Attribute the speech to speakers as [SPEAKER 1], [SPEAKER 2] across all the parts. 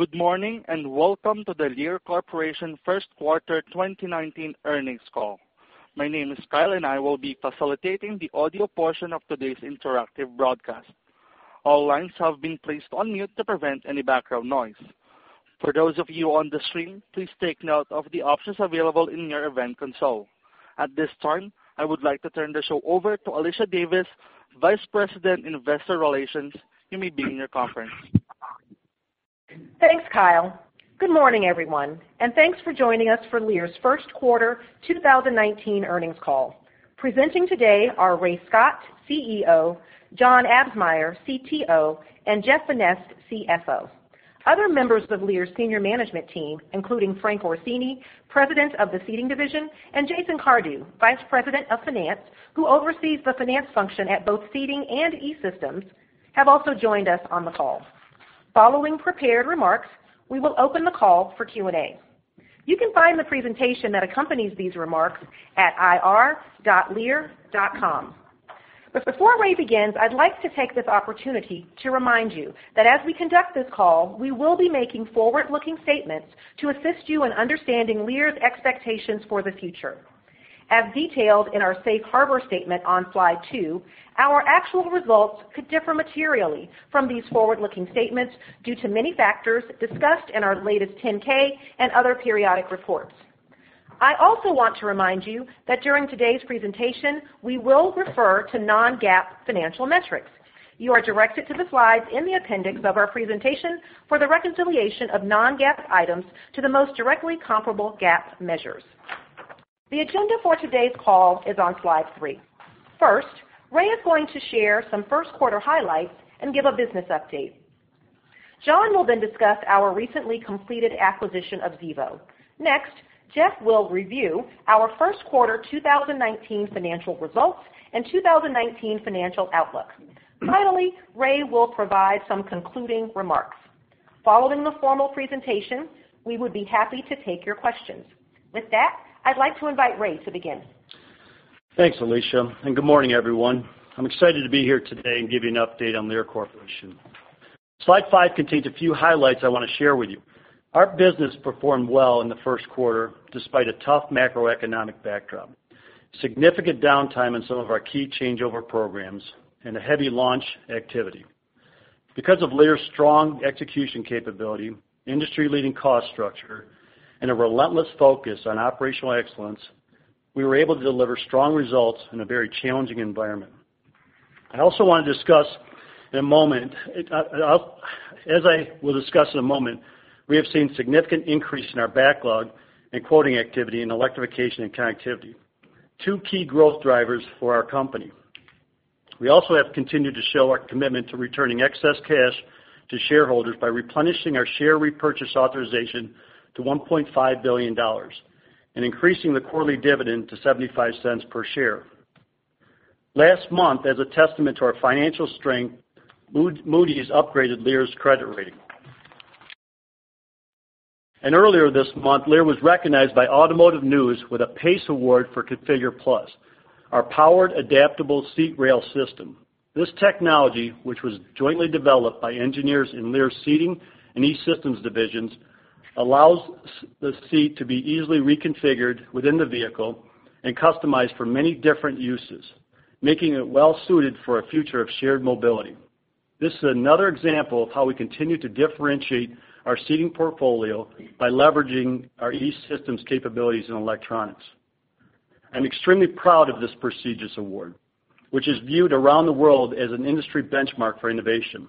[SPEAKER 1] Good morning, welcome to the Lear Corporation Q1 2019 earnings call. My name is Kyle, and I will be facilitating the audio portion of today's interactive broadcast. All lines have been placed on mute to prevent any background noise. For those of you on the stream, please take note of the options available in your event console. At this time, I would like to turn the show over to Alicia Davis, Vice President, Investor Relations. You may begin your conference.
[SPEAKER 2] Thanks, Kyle. Good morning, everyone, thanks for joining us for Lear's Q1 2019 earnings call. Presenting today are Ray Scott, CEO, John Absmeier, CTO, and Jeff Vanneste, CFO. Other members of Lear's senior management team, including Frank Orsini, President of the Seating Division, and Jason Cardew, Vice President of Finance, who oversees the finance function at both Seating and E-Systems, have also joined us on the call. Following prepared remarks, we will open the call for Q&A. You can find the presentation that accompanies these remarks at ir.lear.com. Before Ray begins, I'd like to take this opportunity to remind you that as we conduct this call, we will be making forward-looking statements to assist you in understanding Lear's expectations for the future. As detailed in our safe harbor statement on slide two, our actual results could differ materially from these forward-looking statements due to many factors discussed in our latest 10-K and other periodic reports. I also want to remind you that during today's presentation, we will refer to non-GAAP financial metrics. You are directed to the slides in the appendix of our presentation for the reconciliation of non-GAAP items to the most directly comparable GAAP measures. The agenda for today's call is on slide three. First, Ray is going to share some Q1 highlights and give a business update. John will then discuss our recently completed acquisition of Xevo. Next, Jeff will review our Q1 2019 financial results and 2019 financial outlook. Finally, Ray will provide some concluding remarks. Following the formal presentation, we would be happy to take your questions. With that, I'd like to invite Ray to begin.
[SPEAKER 3] Thanks, Alicia, and good morning, everyone. I'm excited to be here today and give you an update on Lear Corporation. Slide five contains a few highlights I want to share with you. Our business performed well in the Q1 despite a tough macroeconomic backdrop, significant downtime in some of our key changeover programs, and a heavy launch activity. Because of Lear's strong execution capability, industry-leading cost structure, and a relentless focus on operational excellence, we were able to deliver strong results in a very challenging environment. As I will discuss in a moment, we have seen significant increase in our backlog and quoting activity in electrification and connectivity, two key growth drivers for our company. We also have continued to show our commitment to returning excess cash to shareholders by replenishing our share repurchase authorization to $1.5 billion and increasing the quarterly dividend to $0.75 per share. Last month, as a testament to our financial strength, Moody's upgraded Lear's credit rating. Earlier this month, Lear was recognized by Automotive News with a PACE Award for ConfigurE+, our powered adaptable seat rail system. This technology, which was jointly developed by engineers in Lear's Seating and E-Systems divisions, allows the seat to be easily reconfigured within the vehicle and customized for many different uses, making it well-suited for a future of shared mobility. This is another example of how we continue to differentiate our Seating portfolio by leveraging our E-Systems capabilities in electronics. I'm extremely proud of this prestigious award, which is viewed around the world as an industry benchmark for innovation.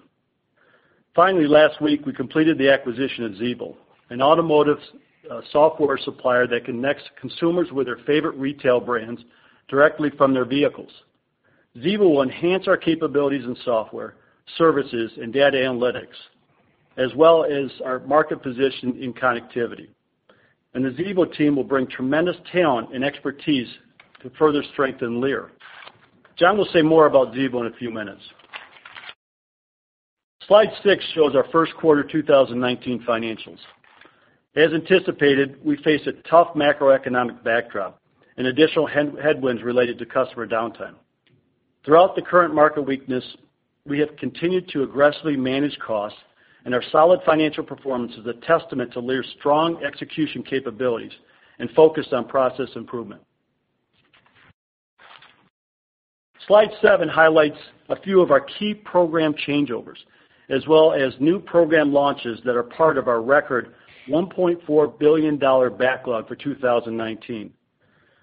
[SPEAKER 3] Finally, last week, we completed the acquisition of Xevo, an automotive software supplier that connects consumers with their favorite retail brands directly from their vehicles. Xevo will enhance our capabilities in software, services, and data analytics, as well as our market position in connectivity. The Xevo team will bring tremendous talent and expertise to further strengthen Lear. John will say more about Xevo in a few minutes. Slide six shows our Q1 2019 financials. As anticipated, we face a tough macroeconomic backdrop and additional headwinds related to customer downtime. Throughout the current market weakness, we have continued to aggressively manage costs, and our solid financial performance is a testament to Lear's strong execution capabilities and focus on process improvement. Slide seven highlights a few of our key program changeovers, as well as new program launches that are part of our record $1.4 billion backlog for 2019.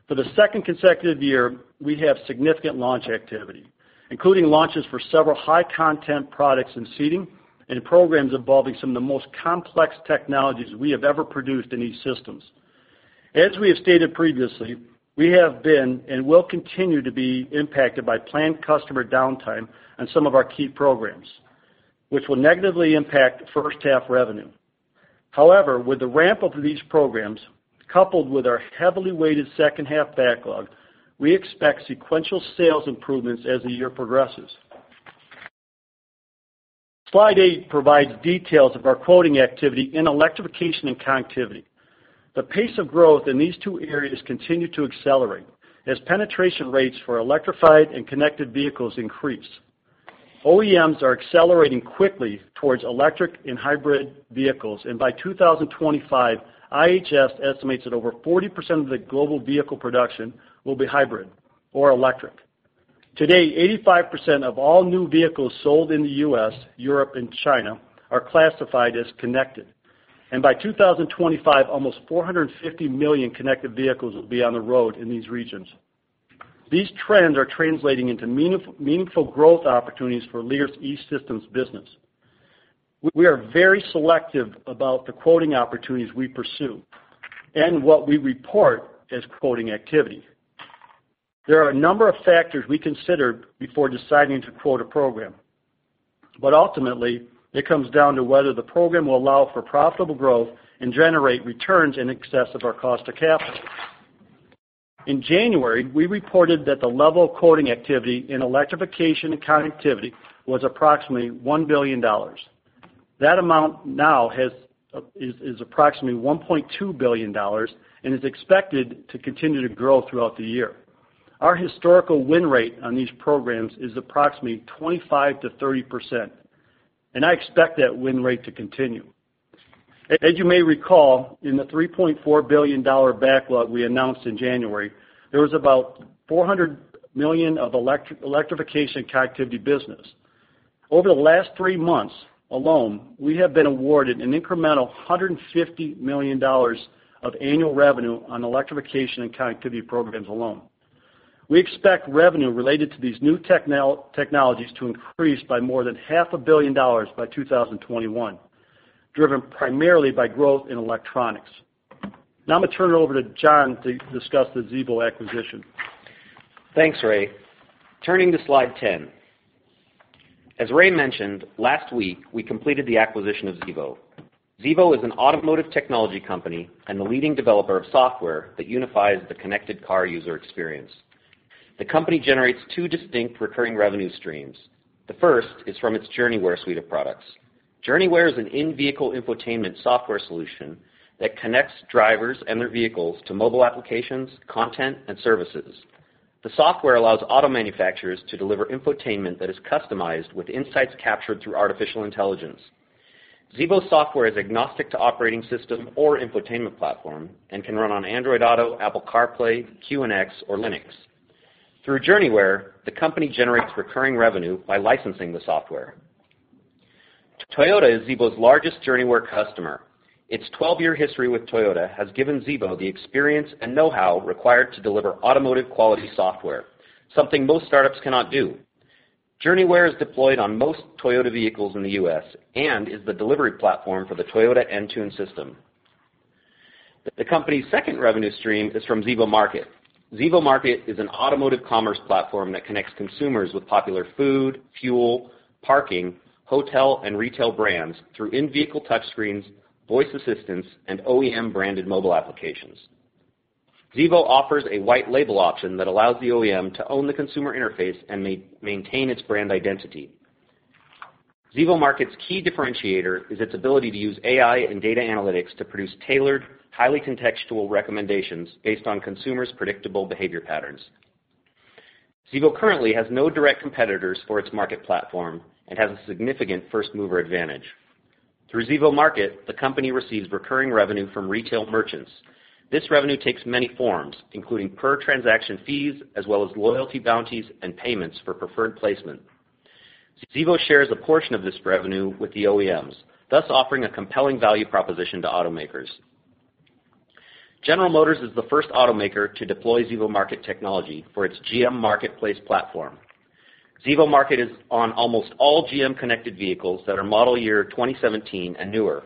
[SPEAKER 3] For the second consecutive year, we have significant launch activity, including launches for several high-content products in seating and programs involving some of the most complex technologies we have ever produced in these systems. As we have stated previously, we have been and will continue to be impacted by planned customer downtime on some of our key programs, which will negatively impact first-half revenue. However, with the ramp-up of these programs, coupled with our heavily weighted second-half backlog, we expect sequential sales improvements as the year progresses. Slide eight provides details of our quoting activity in electrification and connectivity. The pace of growth in these two areas continue to accelerate as penetration rates for electrified and connected vehicles increase. OEMs are accelerating quickly towards electric and hybrid vehicles, and by 2025, IHS estimates that over 40% of the global vehicle production will be hybrid or electric. Today, 85% of all new vehicles sold in the U.S., Europe, and China are classified as connected. By 2025, almost 450 million connected vehicles will be on the road in these regions. These trends are translating into meaningful growth opportunities for Lear's E-Systems business. We are very selective about the quoting opportunities we pursue and what we report as quoting activity. There are a number of factors we consider before deciding to quote a program, but ultimately it comes down to whether the program will allow for profitable growth and generate returns in excess of our cost of capital. In January, we reported that the level of quoting activity in electrification and connectivity was approximately $1 billion. That amount now is approximately $1.2 billion and is expected to continue to grow throughout the year. Our historical win rate on these programs is approximately 25%-30%, and I expect that win rate to continue. As you may recall, in the $3.4 billion backlog we announced in January, there was about $400 million of electrification and connectivity business. Over the last three months alone, we have been awarded an incremental $150 million of annual revenue on electrification and connectivity programs alone. We expect revenue related to these new technologies to increase by more than half a billion dollars by 2021, driven primarily by growth in electronics. Now I'm going to turn it over to John to discuss the Xevo acquisition.
[SPEAKER 4] Thanks, Ray. Turning to slide 10. As Ray mentioned, last week we completed the acquisition of Xevo. Xevo is an automotive technology company and the leading developer of software that unifies the connected car user experience. The company generates two distinct recurring revenue streams. The first is from its Journeyware suite of products. Journeyware is an in-vehicle infotainment software solution that connects drivers and their vehicles to mobile applications, content, and services. The software allows auto manufacturers to deliver infotainment that is customized with insights captured through artificial intelligence. Xevo's software is agnostic to operating system or infotainment platform and can run on Android Auto, Apple CarPlay, QNX, or Linux. Through Journeyware, the company generates recurring revenue by licensing the software. Toyota is Xevo's largest Journeyware customer. Its 12-year history with Toyota has given Xevo the experience and know-how required to deliver automotive-quality software, something most startups cannot do. Journeyware is deployed on most Toyota vehicles in the U.S. and is the delivery platform for the Toyota Entune system. The company's second revenue stream is from Xevo Market. Xevo Market is an automotive commerce platform that connects consumers with popular food, fuel, parking, hotel, and retail brands through in-vehicle touchscreens, voice assistants, and OEM-branded mobile applications. Xevo offers a white label option that allows the OEM to own the consumer interface and maintain its brand identity. Xevo Market's key differentiator is its ability to use AI and data analytics to produce tailored, highly contextual recommendations based on consumers' predictable behavior patterns. Xevo currently has no direct competitors for its market platform and has a significant first-mover advantage. Through Xevo Market, the company receives recurring revenue from retail merchants. This revenue takes many forms, including per-transaction fees, as well as loyalty bounties and payments for preferred placement. Xevo shares a portion of this revenue with the OEMs, thus offering a compelling value proposition to automakers. General Motors is the first automaker to deploy Xevo Market technology for its GM Marketplace platform. Xevo Market is on almost all GM connected vehicles that are model year 2017 and newer.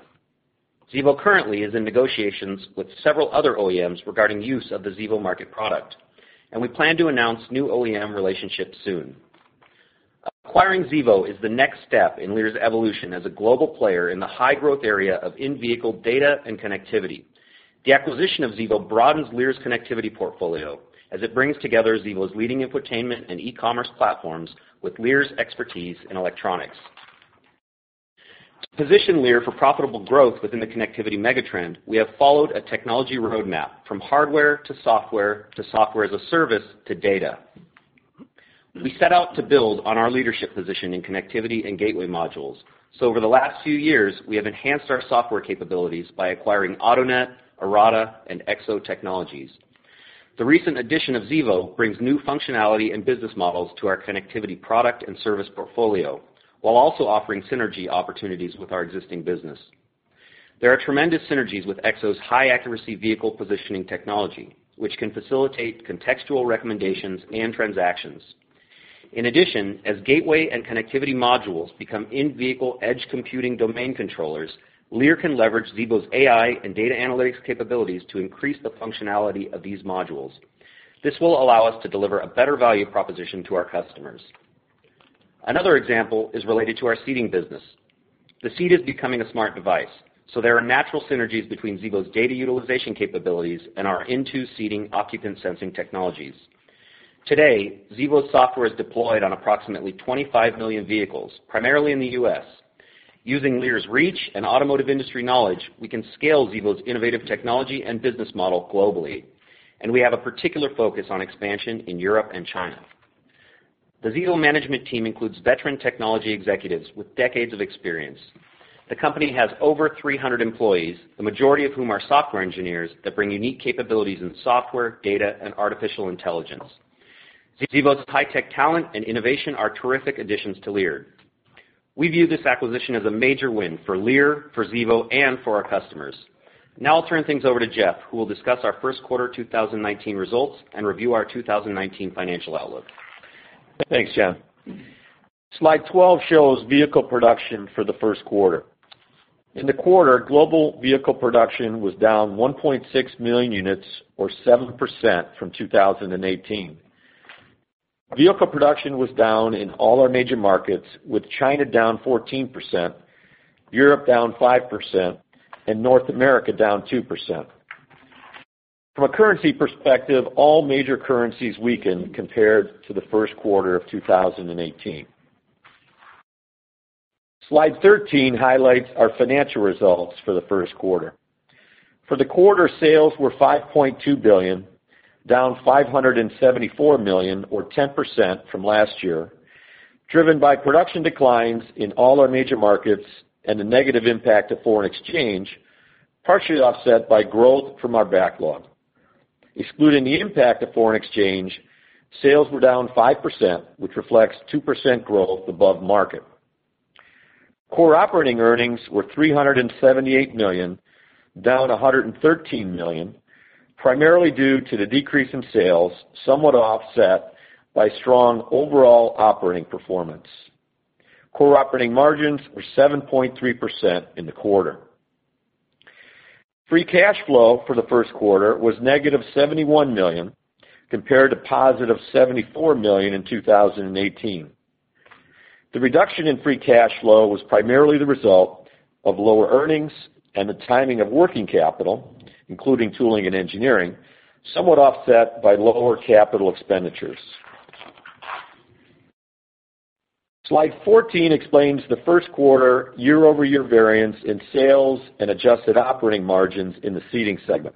[SPEAKER 4] Xevo currently is in negotiations with several other OEMs regarding use of the Xevo Market product. We plan to announce new OEM relationships soon. Acquiring Xevo is the next step in Lear's evolution as a global player in the high-growth area of in-vehicle data and connectivity. The acquisition of Xevo broadens Lear's connectivity portfolio as it brings together Xevo's leading infotainment and e-commerce platforms with Lear's expertise in electronics. To position Lear for profitable growth within the connectivity megatrend, we have followed a technology roadmap from hardware to software to software as a service to data. Over the last few years, we have enhanced our software capabilities by acquiring Autonet, Arada, and EXO Technologies. The recent addition of Xevo brings new functionality and business models to our connectivity product and service portfolio, while also offering synergy opportunities with our existing business. There are tremendous synergies with EXO's high-accuracy vehicle positioning technology, which can facilitate contextual recommendations and transactions. In addition, as gateway and connectivity modules become in-vehicle edge computing domain controllers, Lear can leverage Xevo's AI and data analytics capabilities to increase the functionality of these modules. This will allow us to deliver a better value proposition to our customers. Another example is related to our Seating business. The seat is becoming a smart device. There are natural synergies between Xevo's data utilization capabilities and our INTU seating occupant sensing technologies. Today, Xevo's software is deployed on approximately 25 million vehicles, primarily in the U.S. Using Lear's reach and automotive industry knowledge, we can scale Xevo's innovative technology and business model globally. We have a particular focus on expansion in Europe and China. The Xevo management team includes veteran technology executives with decades of experience. The company has over 300 employees, the majority of whom are software engineers that bring unique capabilities in software, data, and artificial intelligence. Xevo's high-tech talent and innovation are terrific additions to Lear. We view this acquisition as a major win for Lear, for Xevo, and for our customers. Now I'll turn things over to Jeff, who will discuss our Q1 2019 results and review our 2019 financial outlook.
[SPEAKER 5] Thanks, John. Slide 12 shows vehicle production for the Q1. In the quarter, global vehicle production was down 1.6 million units or 7% from 2018. Vehicle production was down in all our major markets, with China down 14%, Europe down 5%, and North America down 2%. From a currency perspective, all major currencies weakened compared to the Q1 of 2018. Slide 13 highlights our financial results for the Q1. For the quarter, sales were $5.2 billion, down $574 million or 10% from last year, driven by production declines in all our major markets and the negative impact of foreign exchange, partially offset by growth from our backlog. Excluding the impact of foreign exchange, sales were down 5%, which reflects 2% growth above market. Core operating earnings were $378 million, down $113 million, primarily due to the decrease in sales, somewhat offset by strong overall operating performance. Core operating margins were 7.3% in the quarter. Free cash flow for the Q1 was negative $71 million, compared to positive $74 million in 2018. The reduction in free cash flow was primarily the result of lower earnings and the timing of working capital, including tooling and engineering, somewhat offset by lower capital expenditures. Slide 14 explains the Q1 year-over-year variance in sales and adjusted operating margins in the Seating segment.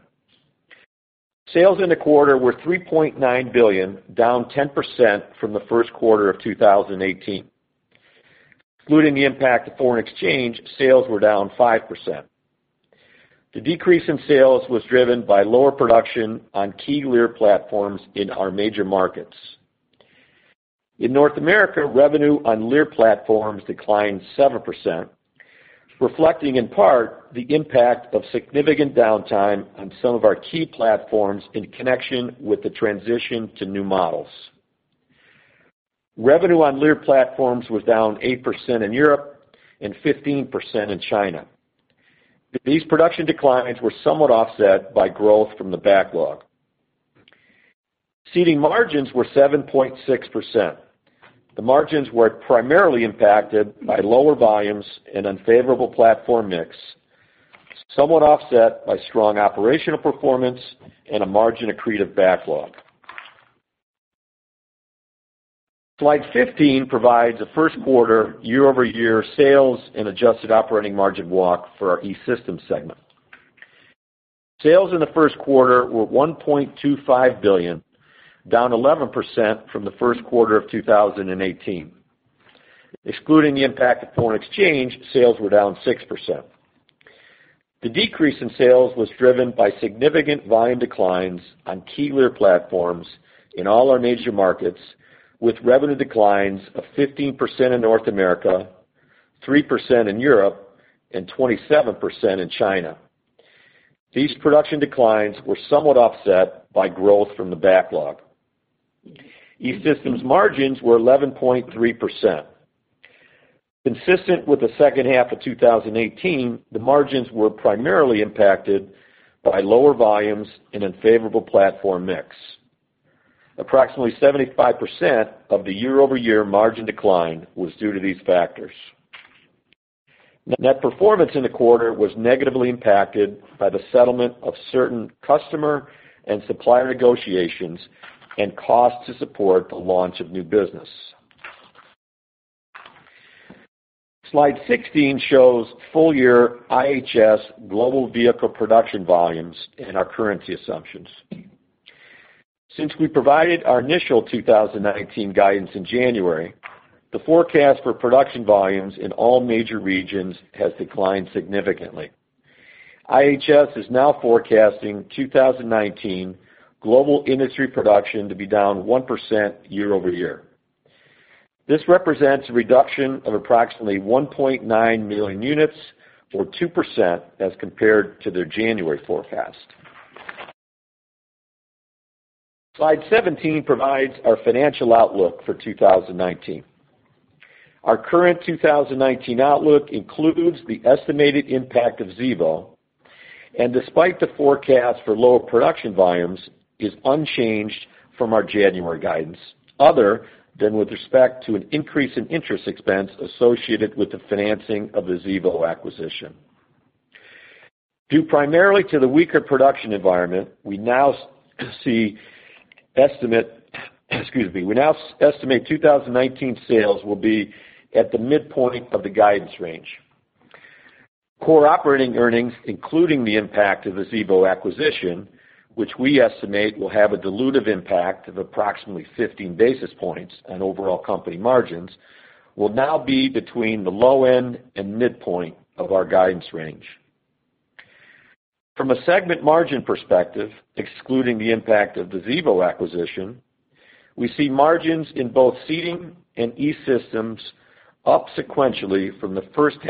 [SPEAKER 5] Sales in the quarter were $3.9 billion, down 10% from the Q1 of 2018. Excluding the impact of foreign exchange, sales were down 5%. The decrease in sales was driven by lower production on key Lear platforms in our major markets. In North America, revenue on Lear platforms declined 7%, reflecting in part the impact of significant downtime on some of our key platforms in connection with the transition to new models. Revenue on Lear platforms was down 8% in Europe and 15% in China. These production declines were somewhat offset by growth from the backlog. Seating margins were 7.6%. The margins were primarily impacted by lower volumes and unfavorable platform mix, somewhat offset by strong operational performance and a margin-accretive backlog. Slide 15 provides a first-quarter year-over-year sales and adjusted operating margin walk for our E-Systems segment. Sales in the Q1 were $1.25 billion, down 11% from the Q1 of 2018. Excluding the impact of foreign exchange, sales were down 6%. The decrease in sales was driven by significant volume declines on key Lear platforms in all our major markets, with revenue declines of 15% in North America, 3% in Europe, and 27% in China. These production declines were somewhat offset by growth from the backlog. E-Systems margins were 11.3%. Consistent with the H2 of 2018, the margins were primarily impacted by lower volumes and unfavorable platform mix. Approximately 75% of the year-over-year margin decline was due to these factors. Net performance in the quarter was negatively impacted by the settlement of certain customer and supplier negotiations and costs to support the launch of new business. Slide 16 shows full-year IHS global vehicle production volumes and our currency assumptions. Since we provided our initial 2019 guidance in January, the forecast for production volumes in all major regions has declined significantly. IHS is now forecasting 2019 global industry production to be down 1% year-over-year. This represents a reduction of approximately 1.9 million units or 2% as compared to their January forecast. Slide 17 provides our financial outlook for 2019. Our current 2019 outlook includes the estimated impact of Xevo, and despite the forecast for lower production volumes, is unchanged from our January guidance, other than with respect to an increase in interest expense associated with the financing of the Xevo acquisition. Due primarily to the weaker production environment, we now estimate 2019 sales will be at the midpoint of the guidance range. Core operating earnings, including the impact of the Xevo acquisition, which we estimate will have a dilutive impact of approximately 15 basis points on overall company margins, will now be between the low end and midpoint of our guidance range. From a segment margin perspective, excluding the impact of the Xevo acquisition, we see margins in both Seating and E-Systems up sequentially from the H1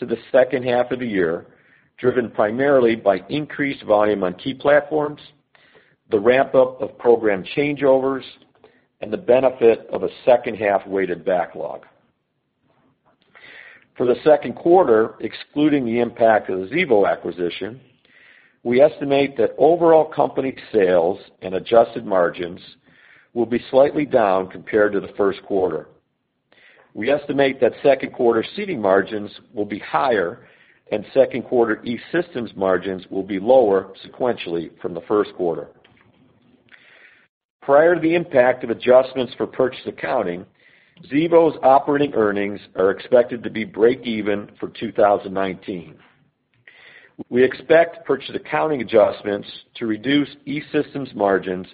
[SPEAKER 5] to the H2 of the year, driven primarily by increased volume on key platforms, the ramp-up of program changeovers, and the benefit of a H2-weighted backlog. For the Q2, excluding the impact of the Xevo acquisition, we estimate that overall company sales and adjusted margins will be slightly down compared to the Q1. We estimate that Q2 Seating margins will be higher, and Q2 E-Systems margins will be lower sequentially from the Q1. Prior to the impact of adjustments for purchase accounting, Xevo's operating earnings are expected to be breakeven for 2019. We expect purchase accounting adjustments to reduce E-Systems margins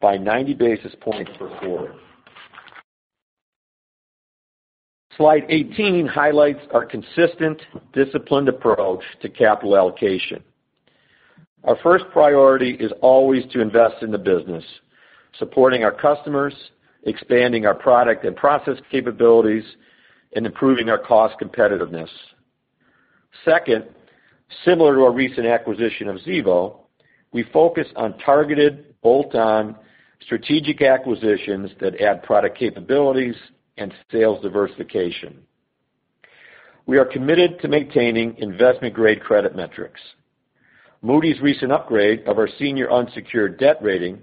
[SPEAKER 5] by 90 basis points per quarter. Slide 18 highlights our consistent, disciplined approach to capital allocation. Our first priority is always to invest in the business, supporting our customers, expanding our product and process capabilities, and improving our cost competitiveness. Second, similar to our recent acquisition of Xevo, we focus on targeted, bolt-on strategic acquisitions that add product capabilities and sales diversification. We are committed to maintaining investment-grade credit metrics. Moody's recent upgrade of our senior unsecured debt rating,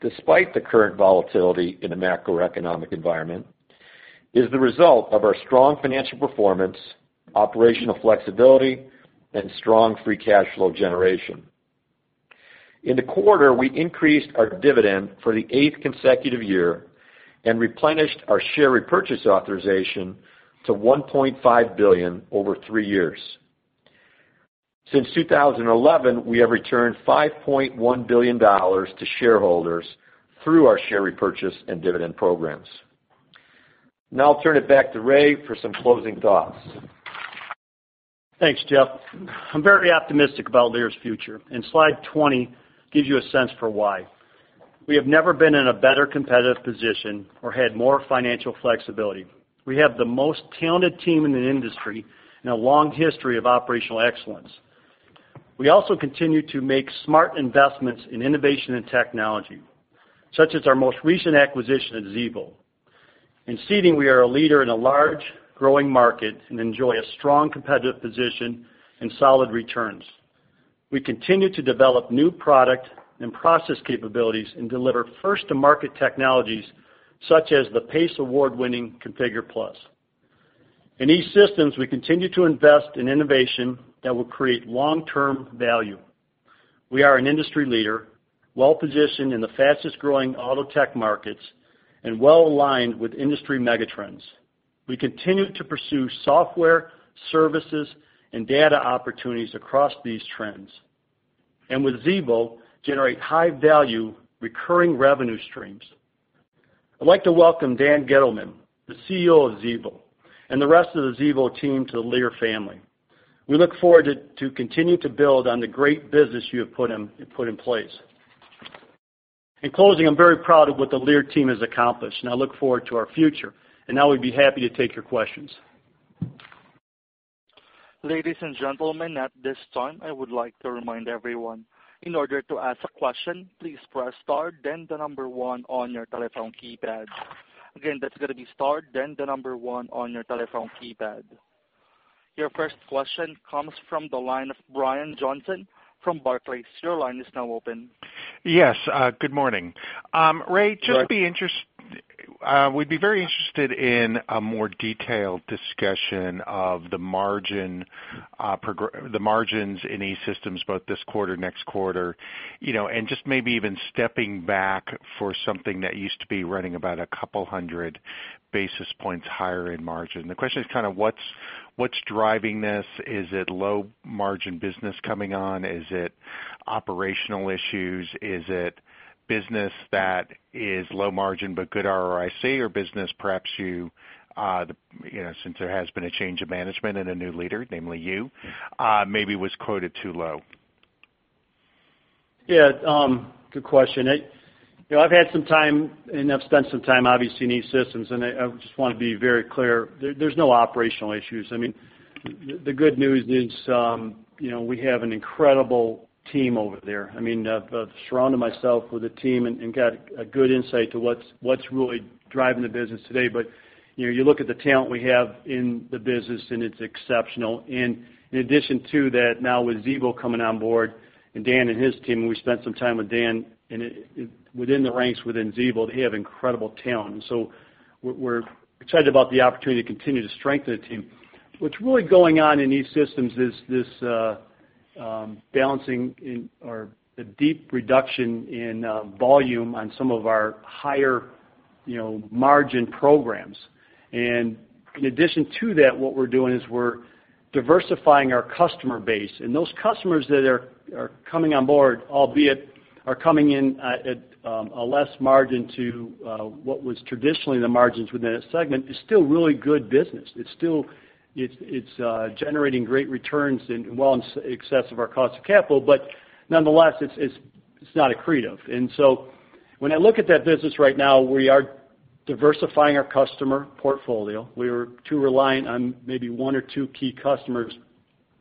[SPEAKER 5] despite the current volatility in the macroeconomic environment, is the result of our strong financial performance, operational flexibility, and strong free cash flow generation. In the quarter, we increased our dividend for the eighth consecutive year and replenished our share repurchase authorization to $1.5 billion over three years. Since 2011, we have returned $5.1 billion to shareholders through our share repurchase and dividend programs. Now I'll turn it back to Ray for some closing thoughts.
[SPEAKER 3] Thanks, Jeff. I'm very optimistic about Lear's future, and slide 20 gives you a sense for why. We have never been in a better competitive position or had more financial flexibility. We have the most talented team in the industry and a long history of operational excellence. We also continue to make smart investments in innovation and technology, such as our most recent acquisition of Xevo. In Seating, we are a leader in a large, growing market and enjoy a strong competitive position and solid returns. We continue to develop new product and process capabilities and deliver first-to-market technologies, such as the PACE Award-winning ConfigurE+. In E-Systems, we continue to invest in innovation that will create long-term value. We are an industry leader, well-positioned in the fastest-growing auto tech markets, and well-aligned with industry megatrends. We continue to pursue software, services, and data opportunities across these trends. With Xevo, generate high-value recurring revenue streams. I'd like to welcome Dan Gittleman, the CEO of Xevo, and the rest of the Xevo team to the Lear family. We look forward to continuing to build on the great business you have put in place. In closing, I'm very proud of what the Lear team has accomplished, and I look forward to our future. Now we'd be happy to take your questions.
[SPEAKER 1] Ladies and gentlemen, at this time, I would like to remind everyone, in order to ask a question, please press star then the number one on your telephone keypad. Again, that's going to be star then the number one on your telephone keypad. Your first question comes from the line of Brian Johnson from Barclays. Your line is now open.
[SPEAKER 6] Yes. Good morning.
[SPEAKER 3] Good.
[SPEAKER 6] Ray, we'd be very interested in a more detailed discussion of the margins in E-Systems both this quarter, next quarter, and just maybe even stepping back for something that used to be running about a couple of 100 basis points higher in margin. The question is what's driving this? Is it low-margin business coming on? Is it operational issues? Is it business that is low-margin but good ROIC or business perhaps you, since there has been a change of management and a new leader, namely you, maybe was quoted too low?
[SPEAKER 3] Good question. I've had some time and I've spent some time, obviously, in E-Systems, and I just want to be very clear, there's no operational issues. The good news is we have an incredible team over there. I've surrounded myself with a team and got a good insight to what's really driving the business today. You look at the talent we have in the business, and it's exceptional. In addition to that, now with Xevo coming on board and Dan and his team, we spent some time with Dan within the ranks within Xevo. They have incredible talent. We're excited about the opportunity to continue to strengthen the team. What's really going on in E-Systems is rebalancing or a deep reduction in volume on some of our higher-margin programs. In addition to that, what we're doing is we're diversifying our customer base, and those customers that are coming on board, albeit, are coming in at a less margin to what was traditionally the margins within a segment, is still really good business. It is generating great returns and well in excess of our cost of capital, nonetheless, it's not accretive. When I look at that business right now, we are diversifying our customer portfolio. We were too reliant on maybe one or two key customers.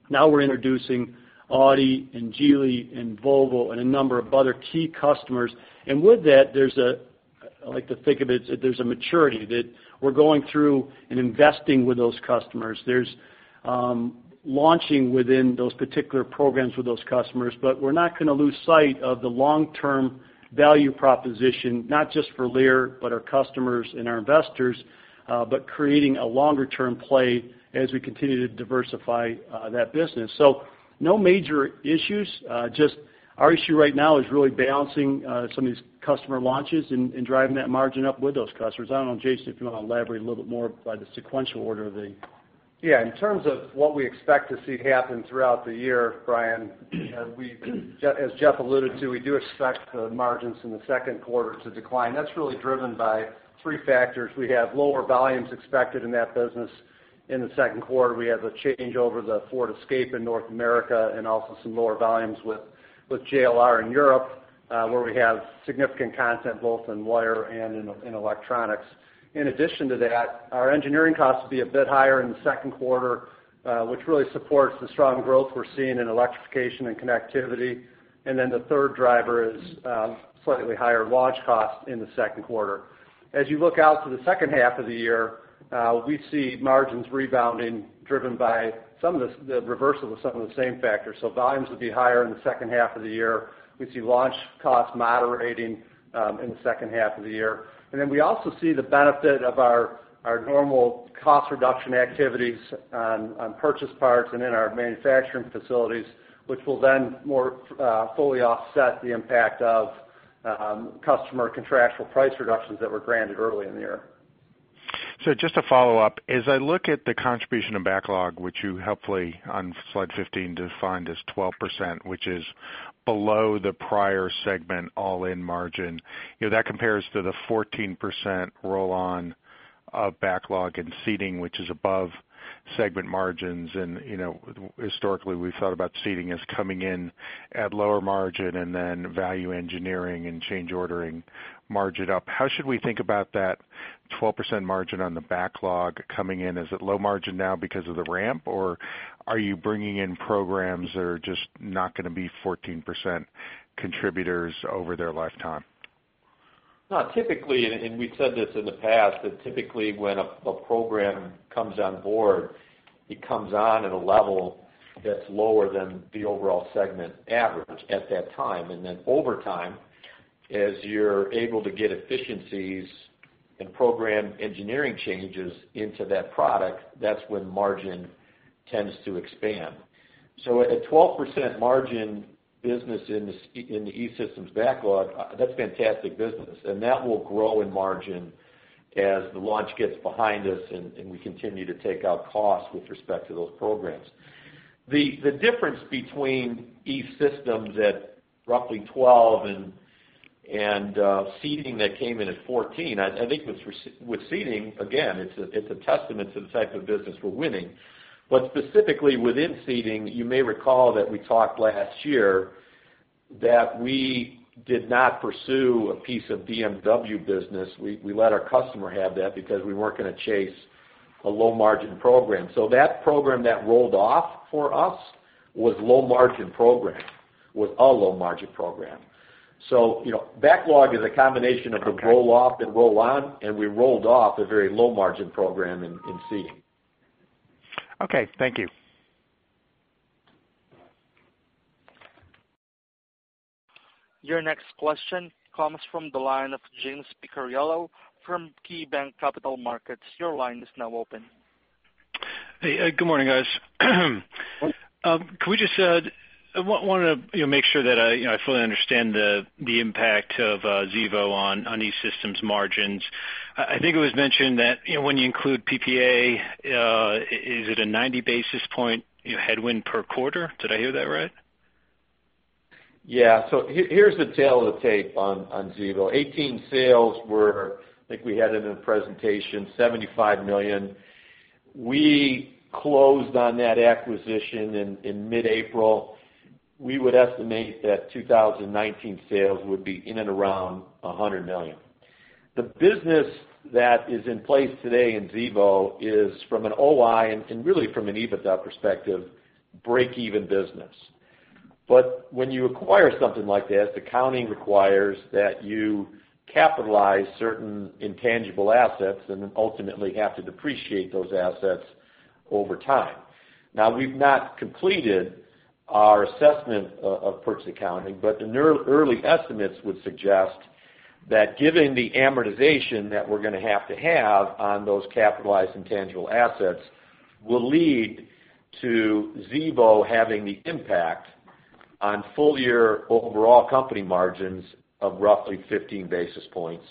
[SPEAKER 3] Now we're introducing Audi and Geely and Volvo and a number of other key customers. With that, I like to think of it, there's a maturity that we're going through and investing with those customers. There's launching within those particular programs with those customers. We're not going to lose sight of the long-term value proposition, not just for Lear, but our customers and our investors, but creating a longer-term play as we continue to diversify that business. No major issues. Just our issue right now is really balancing some of these customer launches and driving that margin up with those customers. I don't know, Jason, if you want to elaborate a little bit more by the sequential order of the-
[SPEAKER 7] In terms of what we expect to see happen throughout the year, Brian, as Jeff alluded to, we do expect the margins in the Q2 to decline. That's really driven by three factors. We have lower volumes expected in that business in the Q2. We have the changeover of the Ford Escape in North America and also some lower volumes with JLR in Europe, where we have significant content both in wire and in electronics. In addition to that, our engineering costs will be a bit higher in the Q2, which really supports the strong growth we're seeing in electrification and connectivity. The third driver is slightly higher launch costs in the Q2. As you look out to the H2 of the year, we see margins rebounding, driven by some of the reversal of some of the same factors. Volumes will be higher in the H2 of the year. We see launch costs moderating in the H2 of the year. We also see the benefit of our normal cost reduction activities on purchased parts and in our manufacturing facilities, which will then more fully offset the impact of customer contractual price reductions that were granted early in the year.
[SPEAKER 6] Just to follow up, as I look at the contribution of backlog, which you helpfully, on slide 15, defined as 12%, which is below the prior segment all-in margin. That compares to the 14% roll-on of backlog and Seating, which is above segment margins, and historically, we've thought about Seating as coming in at lower margin and then value engineering and change ordering margin up. How should we think about that 12% margin on the backlog coming in? Is it low margin now because of the ramp, or are you bringing in programs that are just not going to be 14% contributors over their lifetime?
[SPEAKER 7] No, we've said this in the past, that typically when a program comes on board, it comes on at a level that's lower than the overall segment average at that time. Then over time, as you're able to get efficiencies and program engineering changes into that product, that's when margin tends to expand. A 12% margin business in the E-Systems backlog, that's fantastic business, and that will grow in margin as the launch gets behind us and we continue to take out costs with respect to those programs. The difference between E-Systems at roughly 12% and Seating that came in at 14%, I think with Seating, again, it's a testament to the type of business we're winning. Specifically within Seating, you may recall that we talked last year that we did not pursue a piece of BMW business. We let our customer have that because we weren't going to chase a low-margin program. That program that rolled off for us was a low-margin program. Backlog is a combination of the roll-off and roll-on, and we rolled off a very low-margin program in Seating.
[SPEAKER 6] Okay, thank you.
[SPEAKER 1] Your next question comes from the line of James Picariello from KeyBanc Capital Markets. Your line is now open.
[SPEAKER 8] Hey, good morning, guys. I want to make sure that I fully understand the impact of Xevo on E-Systems' margins. I think it was mentioned that when you include PPA, is it a 90 basis point headwind per quarter? Did I hear that right?
[SPEAKER 5] Yeah. Here's the tale of the tape on Xevo. 2018 sales were, I think we had it in the presentation, $75 million. We closed on that acquisition in mid-April. We would estimate that 2019 sales would be in and around $100 million. The business that is in place today in Xevo is from an OI and really from an EBITDA perspective, break-even business. When you acquire something like this, accounting requires that you capitalize certain intangible assets and then ultimately have to depreciate those assets over time. Now, we've not completed our assessment of purchase accounting, but the early estimates would suggest That given the amortization that we're going to have to have on those capitalized intangible assets, will lead to Xevo having the impact on full-year overall company margins of roughly 15 basis points,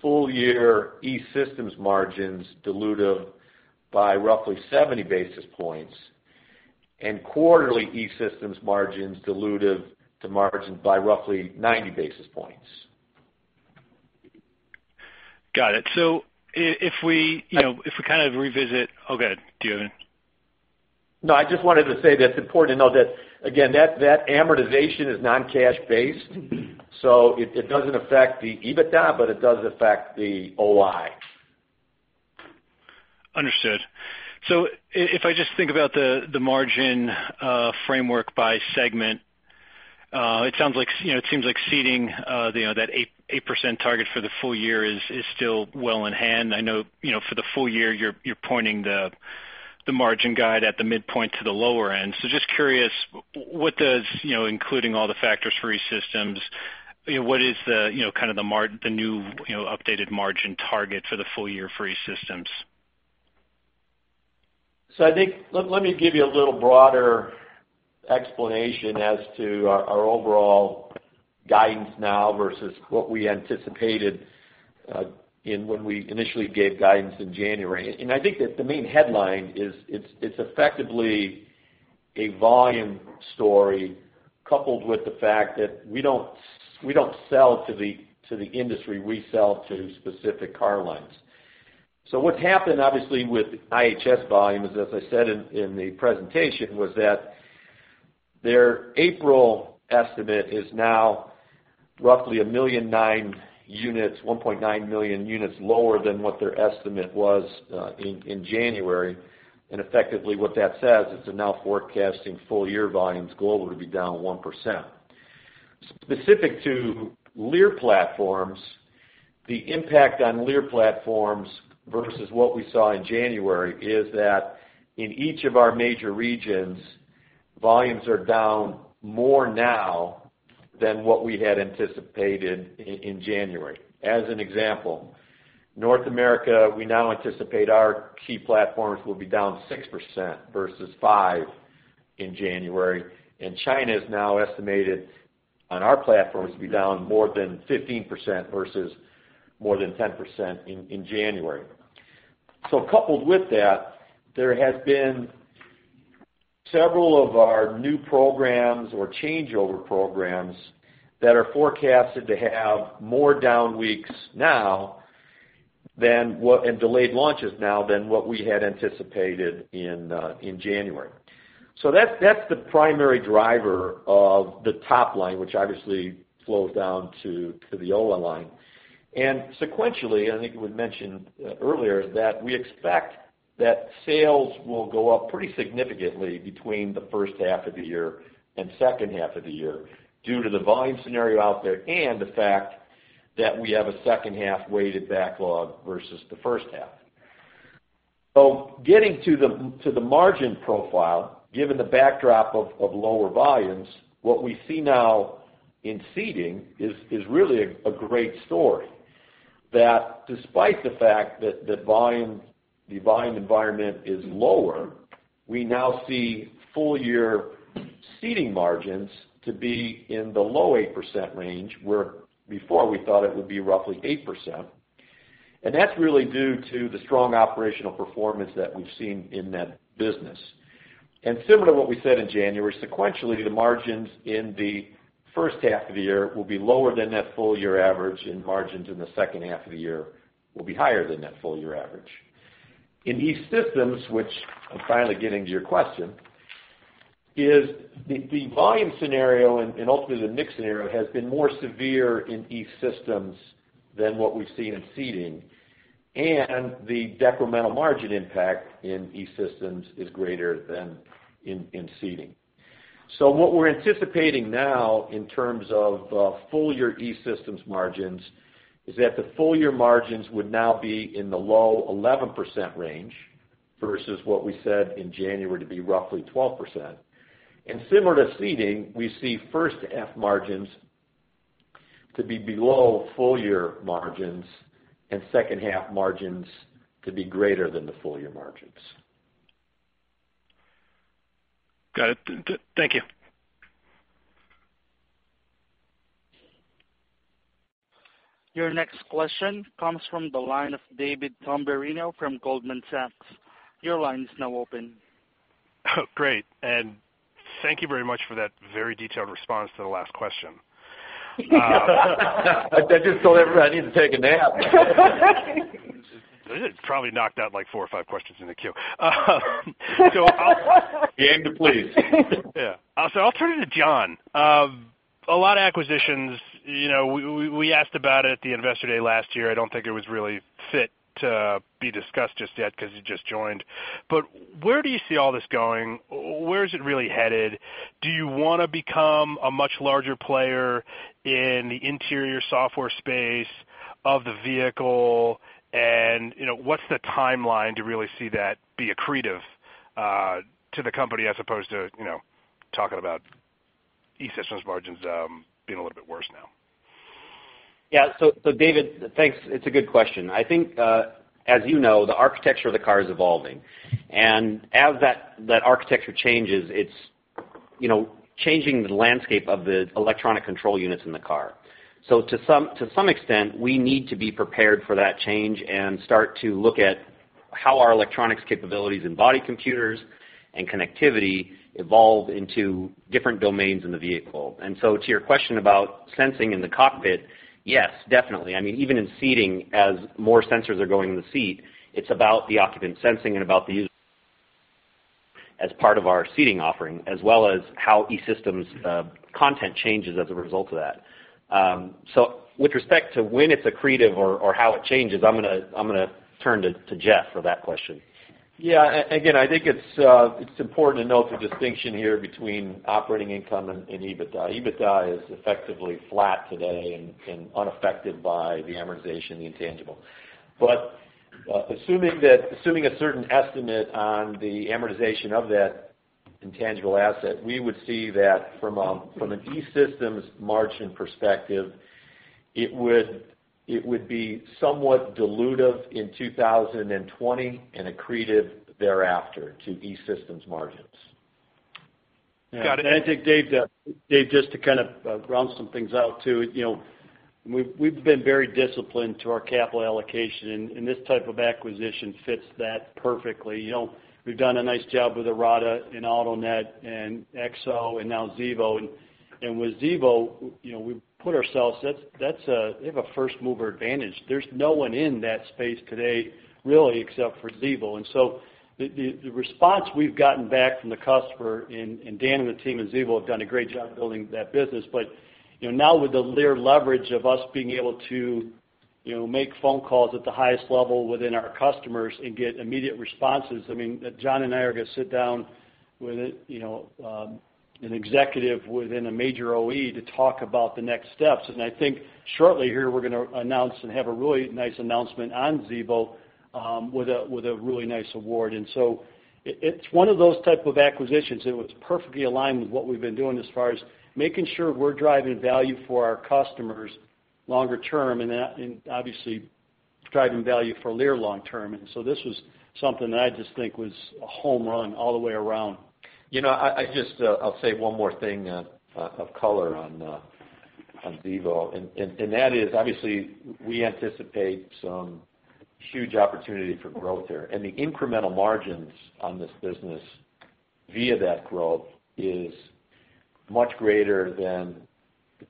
[SPEAKER 5] full-year E-Systems margins dilutive by roughly 70 basis points, and quarterly E-Systems margins dilutive to margin by roughly 90 basis points.
[SPEAKER 8] Got it. If we kind of revisit Oh, go ahead. Do you have anything?
[SPEAKER 5] No, I just wanted to say that it's important to know that, again, that amortization is non-cash based, so it doesn't affect the EBITDA, but it does affect the OI.
[SPEAKER 8] Understood. If I just think about the margin framework by segment, it seems like Seating that 8% target for the full year is still well in hand. I know for the full year, you're pointing the margin guide at the midpoint to the lower end. Just curious, including all the factors for E-Systems, what is the kind of the new updated margin target for the full year for E-Systems?
[SPEAKER 5] I think, let me give you a little broader explanation as to our overall guidance now versus what we anticipated when we initially gave guidance in January. I think that the main headline is it's effectively a volume story, coupled with the fact that we don't sell to the industry, we sell to specific car lines. What's happened, obviously, with IHS volumes, as I said in the presentation, was that their April estimate is now roughly 1.9 million units lower than what their estimate was in January. Effectively what that says is they're now forecasting full-year volumes global to be down 1%. Specific to Lear platforms, the impact on Lear platforms versus what we saw in January is that in each of our major regions, volumes are down more now than what we had anticipated in January. As an example, North America, we now anticipate our key platforms will be down 6% versus 5% in January, and China is now estimated on our platforms to be down more than 15% versus more than 10% in January. Coupled with that, there has been several of our new programs or changeover programs that are forecasted to have more down weeks now and delayed launches now than what we had anticipated in January. That's the primary driver of the top line, which obviously flows down to the OI line. Sequentially, and I think it was mentioned earlier, that we expect that sales will go up pretty significantly between the H1 of the year and H2 of the year due to the volume scenario out there and the fact that we have a H2 weighted backlog versus the H1. Getting to the margin profile, given the backdrop of lower volumes, what we see now in Seating is really a great story. That despite the fact that the volume environment is lower, we now see full-year Seating margins to be in the low 8% range, where before we thought it would be roughly 8%. That's really due to the strong operational performance that we've seen in that business. Similar to what we said in January, sequentially, the margins in the H1 of the year will be lower than that full-year average, and margins in the H2 of the year will be higher than that full-year average. In E-Systems, which I'm finally getting to your question, is the volume scenario and ultimately the mix scenario has been more severe in E-Systems than what we've seen in Seating, and the decremental margin impact in E-Systems is greater than in Seating. What we're anticipating now in terms of full-year E-Systems margins is that the full-year margins would now be in the low 11% range, versus what we said in January to be roughly 12%. Similar to Seating, we see H1 margins to be below full-year margins and H2 margins to be greater than the full-year margins.
[SPEAKER 8] Got it. Thank you.
[SPEAKER 1] Your next question comes from the line of David Tamberrino from Goldman Sachs. Your line is now open.
[SPEAKER 9] Great, thank you very much for that very detailed response to the last question.
[SPEAKER 5] I just told everybody I need to take a nap.
[SPEAKER 9] It probably knocked out like four or five questions in the queue.
[SPEAKER 5] We aim to please.
[SPEAKER 9] Yeah. I'll turn it to John. A lot of acquisitions, we asked about it at the Investor Day last year. I don't think it was really fit to be discussed just yet because you just joined. Where do you see all this going? Where is it really headed? Do you want to become a much larger player in the interior software space of the vehicle? What's the timeline to really see that be accretive to the company as opposed to talking about E-Systems margins being a little bit worse now?
[SPEAKER 4] David, thanks. It's a good question. I think, as you know, the architecture of the car is evolving. As that architecture changes, it's changing the landscape of the electronic control units in the car. To some extent, we need to be prepared for that change and start to look at how our electronics capabilities and body computers and connectivity evolve into different domains in the vehicle. To your question about sensing in the cockpit, yes, definitely. Even in Seating, as more sensors are going in the seat, it's about the occupant sensing and about the user as part of our Seating offering, as well as how E-Systems' content changes as a result of that. With respect to when it's accretive or how it changes, I'm going to turn to Jeff for that question.
[SPEAKER 5] Yeah. Again, I think it's important to note the distinction here between operating income and EBITDA. EBITDA is effectively flat today and unaffected by the amortization of the intangible. Assuming a certain estimate on the amortization of that intangible asset, we would see that from an E-Systems margin perspective, it would be somewhat dilutive in 2020 and accretive thereafter to E-Systems margins.
[SPEAKER 9] Got it.
[SPEAKER 3] I think, Dave, just to kind of round some things out too. We've been very disciplined to our capital allocation, this type of acquisition fits that perfectly. We've done a nice job with Arada and Autonet and EXO and now Xevo. With Xevo, we put ourselves, they have a first-mover advantage. There's no one in that space today, really, except for Xevo. The response we've gotten back from the customer, Dan and the team at Xevo have done a great job building that business. Now with the Lear leverage of us being able to make phone calls at the highest level within our customers and get immediate responses, John and I are going to sit down with an executive within a major OEM to talk about the next steps. I think shortly here, we're going to announce and have a really nice announcement on Xevo, with a really nice award. It's one of those type of acquisitions that was perfectly aligned with what we've been doing as far as making sure we're driving value for our customers longer term, obviously driving value for Lear long term. This was something that I just think was a home run all the way around.
[SPEAKER 5] I'll say one more thing of color on Xevo, that is, obviously, we anticipate some huge opportunity for growth there. The incremental margins on this business via that growth is much greater than the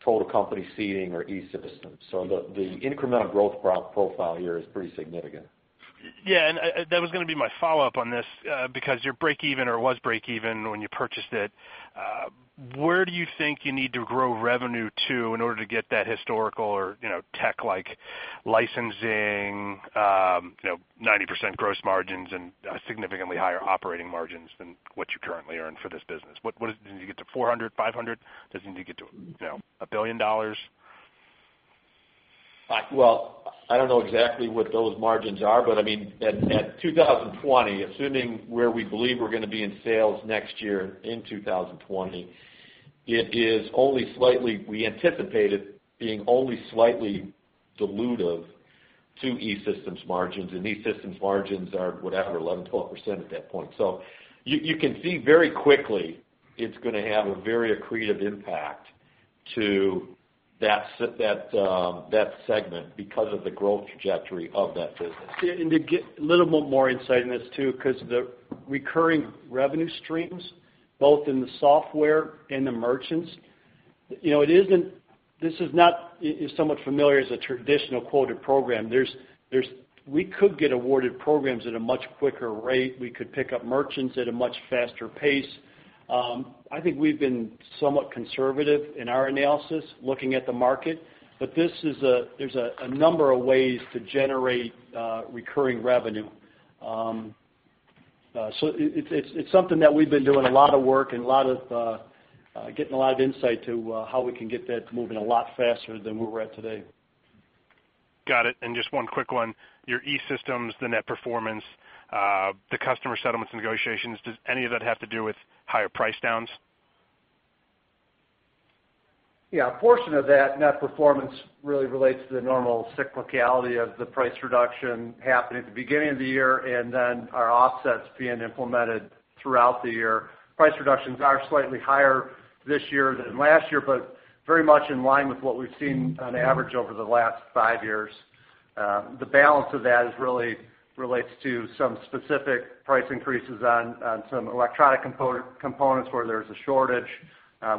[SPEAKER 5] total company Seating or E-Systems. The incremental growth profile here is pretty significant.
[SPEAKER 9] Yeah, that was going to be my follow-up on this, because your break-even when you purchased it. Where do you think you need to grow revenue to in order to get that historical or tech-like licensing, 90% gross margins and significantly higher operating margins than what you currently earn for this business? Do you need to get to $400, $500? Does it need to get to $1 billion?
[SPEAKER 5] Well, I don't know exactly what those margins are, at 2020, assuming where we believe we're going to be in sales next year in 2020, we anticipate it being only slightly dilutive to E-Systems margins, and E-Systems margins are whatever, 11%, 12% at that point. You can see very quickly it's going to have a very accretive impact to that segment because of the growth trajectory of that business.
[SPEAKER 3] To get a little more insight in this, too, because the recurring revenue streams, both in the software and the merchants, this is not as somewhat familiar as a traditional quoted program. We could get awarded programs at a much quicker rate. We could pick up merchants at a much faster pace. I think we've been somewhat conservative in our analysis looking at the market, there's a number of ways to generate recurring revenue. It's something that we've been doing a lot of work and getting a lot of insight to how we can get that moving a lot faster than where we're at today.
[SPEAKER 9] Got it. Just one quick one. Your E-Systems, the net performance, the customer settlements negotiations, does any of that have to do with higher price downs?
[SPEAKER 3] Yeah. A portion of that net performance really relates to the normal cyclicality of the price reduction happening at the beginning of the year and then our offsets being implemented throughout the year. Price reductions are slightly higher this year than last year, but very much in line with what we've seen on average over the last five years. The balance of that really relates to some specific price increases on some electronic components where there's a shortage.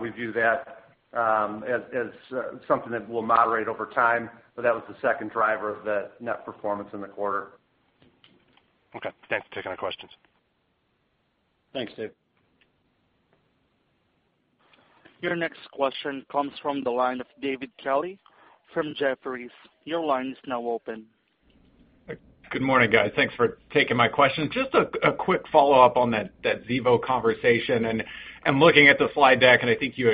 [SPEAKER 3] We view that as something that will moderate over time, but that was the second driver of the net performance in the quarter.
[SPEAKER 9] Okay. Thanks for taking our questions.
[SPEAKER 3] Thanks, Dave.
[SPEAKER 1] Your next question comes from the line of David Kelley from Jefferies. Your line is now open.
[SPEAKER 10] Good morning, guys. Thanks for taking my questions. Just a quick follow-up on that Xevo conversation and looking at the slide deck, I think you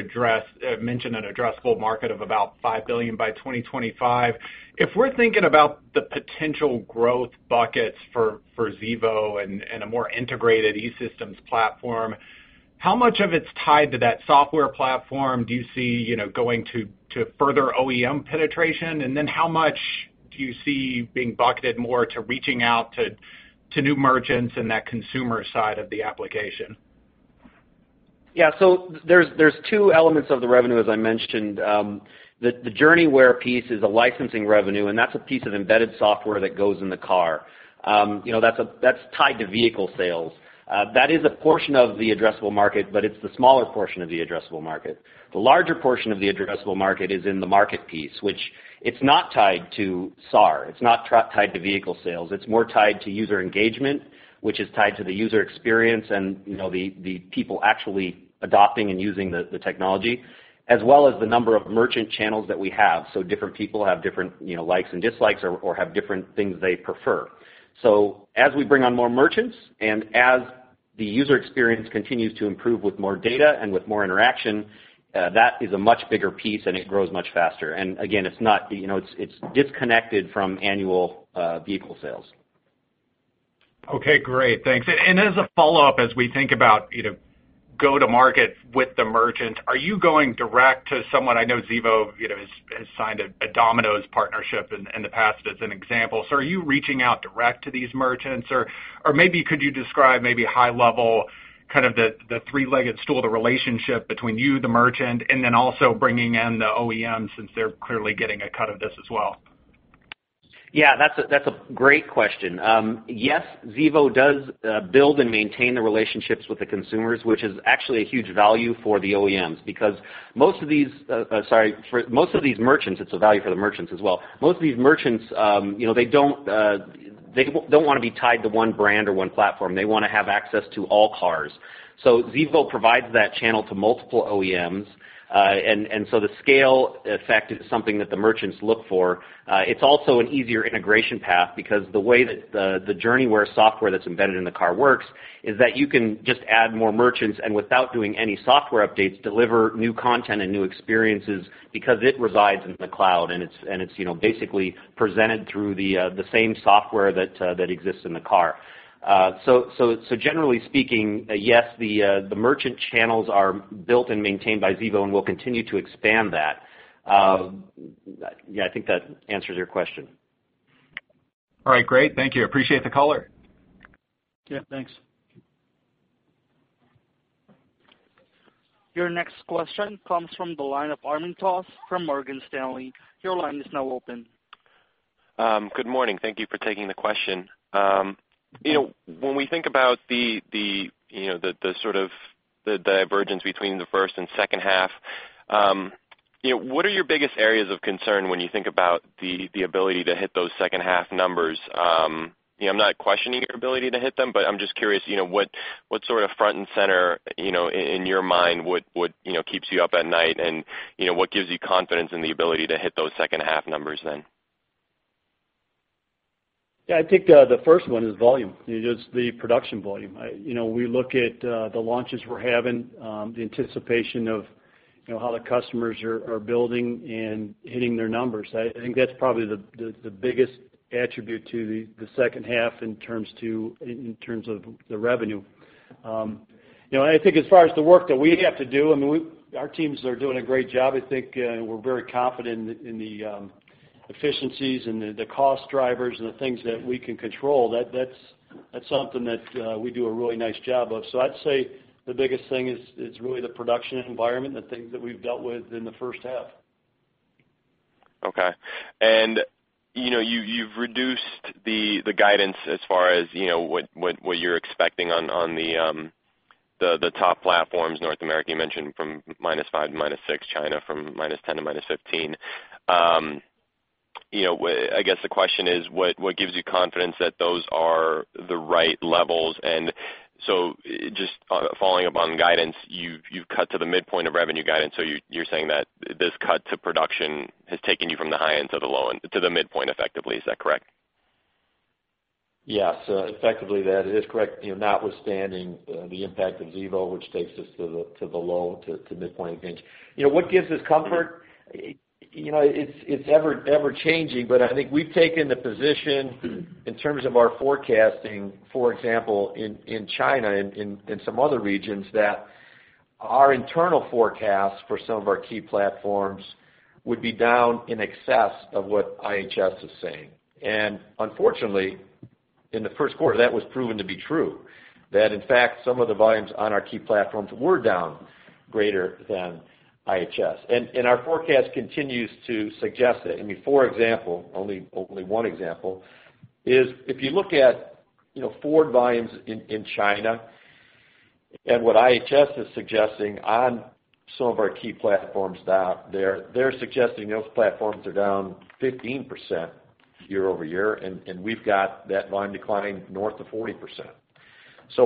[SPEAKER 10] mentioned an addressable market of about $5 billion by 2025. If we're thinking about the potential growth buckets for Xevo and a more integrated E-Systems platform, how much of it's tied to that software platform do you see going to further OEM penetration? How much do you see being bucketed more to reaching out to new merchants in that consumer side of the application?
[SPEAKER 4] Yeah. There's two elements of the revenue, as I mentioned. The Journeyware piece is a licensing revenue, and that's a piece of embedded software that goes in the car. That's tied to vehicle sales. That is a portion of the addressable market, but it's the smaller portion of the addressable market. The larger portion of the addressable market is in the market piece, which it's not tied to SAR, it's not tied to vehicle sales. It's more tied to user engagement, which is tied to the user experience and the people actually adopting and using the technology, as well as the number of merchant channels that we have. Different people have different likes and dislikes or have different things they prefer. As we bring on more merchants and as the user experience continues to improve with more data and with more interaction, that is a much bigger piece and it grows much faster. It's disconnected from annual vehicle sales.
[SPEAKER 10] Okay, great. Thanks. As a follow-up, as we think about go to market with the merchant, are you going direct to someone? I know Xevo has signed a Domino's partnership in the past as an example. Are you reaching out direct to these merchants? Or maybe could you describe maybe high level the three-legged stool, the relationship between you, the merchant, and then also bringing in the OEM, since they're clearly getting a cut of this as well?
[SPEAKER 4] Yeah, that's a great question. Yes, Xevo does build and maintain the relationships with the consumers, which is actually a huge value for the OEMs because most of these Sorry, for most of these merchants, it's a value for the merchants as well. Most of these merchants they don't want to be tied to one brand or one platform. They want to have access to all cars. Xevo provides that channel to multiple OEMs. The scale effect is something that the merchants look for. It's also an easier integration path because the way that the Journeyware software that's embedded in the car works is that you can just add more merchants and without doing any software updates, deliver new content and new experiences because it resides in the cloud and it's basically presented through the same software that exists in the car. Generally speaking, yes, the merchant channels are built and maintained by Xevo and we'll continue to expand that. Yeah, I think that answers your question.
[SPEAKER 10] All right, great. Thank you. Appreciate the color.
[SPEAKER 3] Yeah, thanks.
[SPEAKER 1] Your next question comes from the line of Adam Jonas from Morgan Stanley. Your line is now open.
[SPEAKER 11] Good morning. Thank you for taking the question. We think about the sort of the divergence between the first and H2, what are your biggest areas of concern when you think about the ability to hit those H2 numbers? I'm not questioning your ability to hit them, but I'm just curious, what sort of front and center, in your mind, what keeps you up at night and what gives you confidence in the ability to hit those H2 numbers then?
[SPEAKER 3] Yeah, I think the first one is volume. It is the production volume. We look at the launches we're having, the anticipation of how the customers are building and hitting their numbers. I think that's probably the biggest attribute to the H2 in terms of the revenue. I think as far as the work that we have to do, I mean, our teams are doing a great job. I think we're very confident in the efficiencies and the cost drivers and the things that we can control. That's something that we do a really nice job of. I'd say the biggest thing is really the production environment, the things that we've dealt with in the H1.
[SPEAKER 11] Okay. You've reduced the guidance as far as what you're expecting on the top platforms, North America, you mentioned from -5%--6%, China from -10%--15%. I guess the question is, what gives you confidence that those are the right levels? Just following up on guidance, you've cut to the midpoint of revenue guidance. You're saying that this cut to production has taken you from the high end to the midpoint effectively. Is that correct?
[SPEAKER 5] Yes, effectively that is correct. Notwithstanding the impact of Xevo, which takes us to the low to midpoint range. What gives us comfort? It's ever-changing, but I think we've taken the position in terms of our forecasting, for example, in China and some other regions that our internal forecasts for some of our key platforms would be down in excess of what IHS is saying. Unfortunately, in the Q1, that was proven to be true, that in fact, some of the volumes on our key platforms were down greater than IHS. Our forecast continues to suggest that. For example, only one example is if you look at Ford volumes in China and what IHS is suggesting on some of our key platforms down there, they're suggesting those platforms are down 15% year-over-year, and we've got that volume decline north of 40%.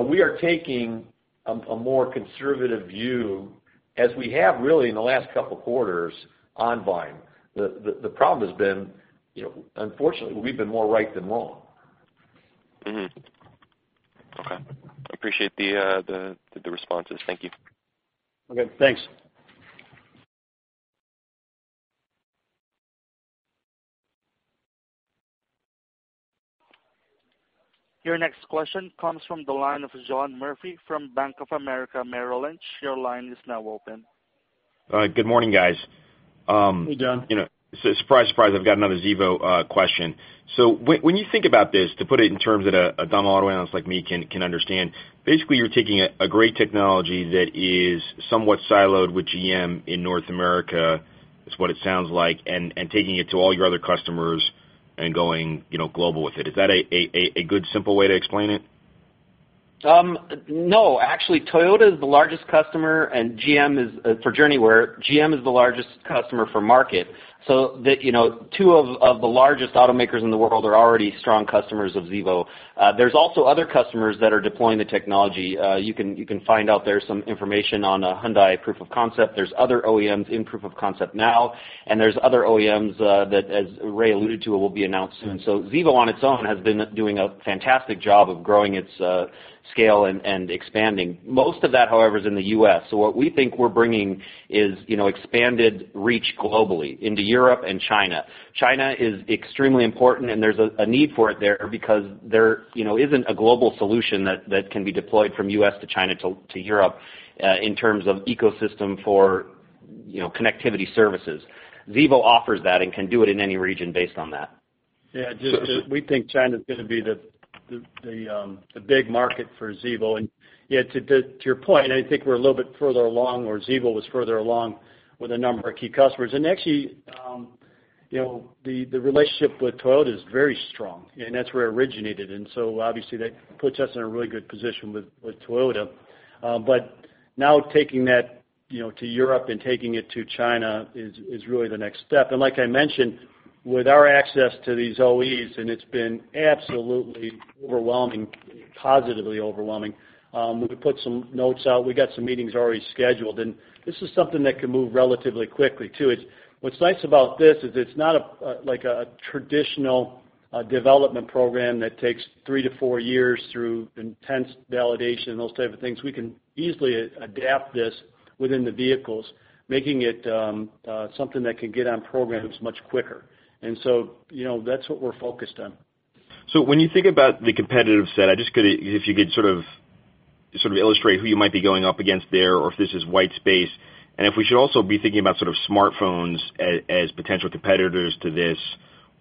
[SPEAKER 3] We are taking a more conservative view as we have really in the last couple of quarters on volume. The problem has been, unfortunately, we've been more right than wrong.
[SPEAKER 11] Okay. I appreciate the responses. Thank you.
[SPEAKER 3] Okay, thanks.
[SPEAKER 1] Your next question comes from the line of John Murphy from Bank of America Merrill Lynch. Your line is now open.
[SPEAKER 12] Good morning, guys.
[SPEAKER 3] Hey, John.
[SPEAKER 12] Surprise, I've got another Xevo question. When you think about this, to put it in terms that a dumb auto analyst like me can understand, basically you're taking a great technology that is somewhat siloed with GM in North America, is what it sounds like, and taking it to all your other customers and going global with it. Is that a good, simple way to explain it?
[SPEAKER 4] No, actually, Toyota is the largest customer for Journeyware. GM is the largest customer for Marketplace. Two of the largest automakers in the world are already strong customers of Xevo. There's also other customers that are deploying the technology. You can find out there's some information on a Hyundai proof of concept. There's other OEMs in proof of concept now, and there's other OEMs that, as Ray alluded to, will be announced soon. Xevo on its own has been doing a fantastic job of growing its scale and expanding. Most of that, however, is in the U.S. What we think we're bringing is expanded reach globally into Europe and China. China is extremely important, and there's a need for it there because there isn't a global solution that can be deployed from U.S. to China to Europe in terms of ecosystem for connectivity services. Xevo offers that and can do it in any region based on that.
[SPEAKER 3] Yeah, we think China is going to be the big market for Xevo. To your point, I think we're a little bit further along, or Xevo was further along with a number of key customers. Actually the relationship with Toyota is very strong, and that's where it originated. So obviously that puts us in a really good position with Toyota. Now taking that to Europe and taking it to China is really the next step. Like I mentioned, with our access to these OEMs, and it's been absolutely overwhelming, positively overwhelming. We put some notes out. We got some meetings already scheduled, and this is something that can move relatively quickly, too. What's nice about this is it's not like a traditional development program that takes three to four years through intense validation and those type of things. We can easily adapt this within the vehicles, making it something that can get on programs much quicker. So that's what we're focused on.
[SPEAKER 12] When you think about the competitive set, if you could sort of illustrate who you might be going up against there, or if this is white space, and if we should also be thinking about sort of smartphones as potential competitors to this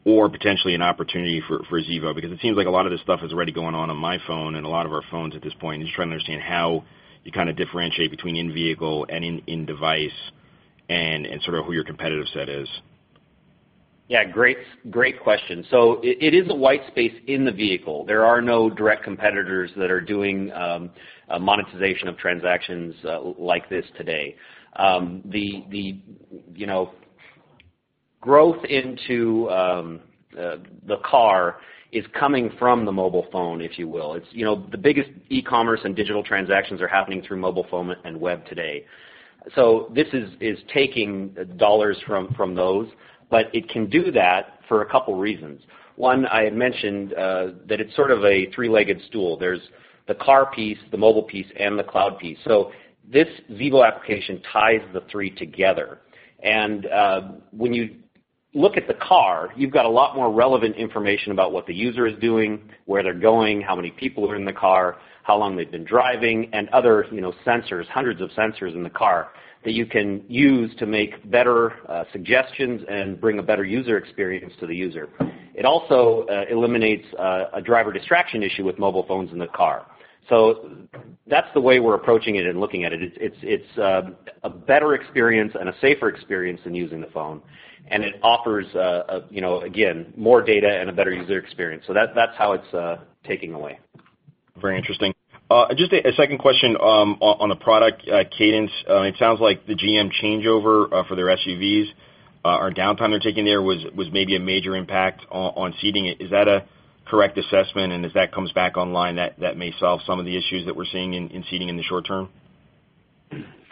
[SPEAKER 12] or potentially an opportunity for Xevo. Because it seems like a lot of this stuff is already going on on my phone and a lot of our phones at this point. I'm just trying to understand how you kind of differentiate between in-vehicle and in-device and sort of who your competitive set is.
[SPEAKER 4] Great question. It is a white space in the vehicle. There are no direct competitors that are doing monetization of transactions like this today. The growth into the car is coming from the mobile phone, if you will. The biggest e-commerce and digital transactions are happening through mobile phone and web today. This is taking dollars from those, but it can do that for a couple reasons. One, I had mentioned that it's sort of a three-legged stool. There's the car piece, the mobile piece, and the cloud piece. This Xevo application ties the three together. When you look at the car, you've got a lot more relevant information about what the user is doing, where they're going, how many people are in the car, how long they've been driving, and other sensors, hundreds of sensors in the car that you can use to make better suggestions and bring a better user experience to the user. It also eliminates a driver distraction issue with mobile phones in the car. That's the way we're approaching it and looking at it. It's a better experience and a safer experience than using the phone, and it offers, again, more data and a better user experience. That's how it's taking away.
[SPEAKER 12] Very interesting. Just a second question on the product cadence. It sounds like the GM changeover for their SUVs or downtime they're taking there was maybe a major impact on Seating. Is that a correct assessment? As that comes back online, that may solve some of the issues that we're seeing in Seating in the short term?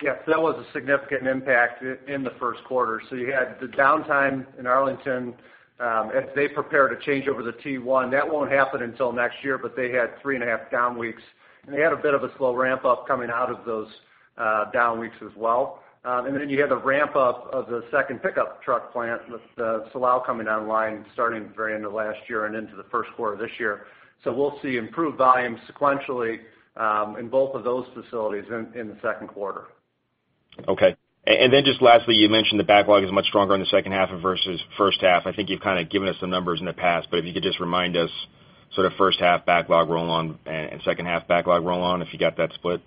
[SPEAKER 3] Yes, that was a significant impact in the Q1. You had the downtime in Arlington as they prepare to change over to T1. That won't happen until next year, they had three and a half down weeks, and they had a bit of a slow ramp-up coming out of those down weeks as well. You had the ramp-up of the second pickup truck plant with Silao coming online starting very end of last year and into the Q1 of this year. We'll see improved volumes sequentially in both of those facilities in the Q2.
[SPEAKER 12] Okay. Just lastly, you mentioned the backlog is much stronger in the H2 versus H1. I think you've kind of given us the numbers in the past, if you could just remind us sort of H1 backlog roll-on and H2 backlog roll-on, if you got that split.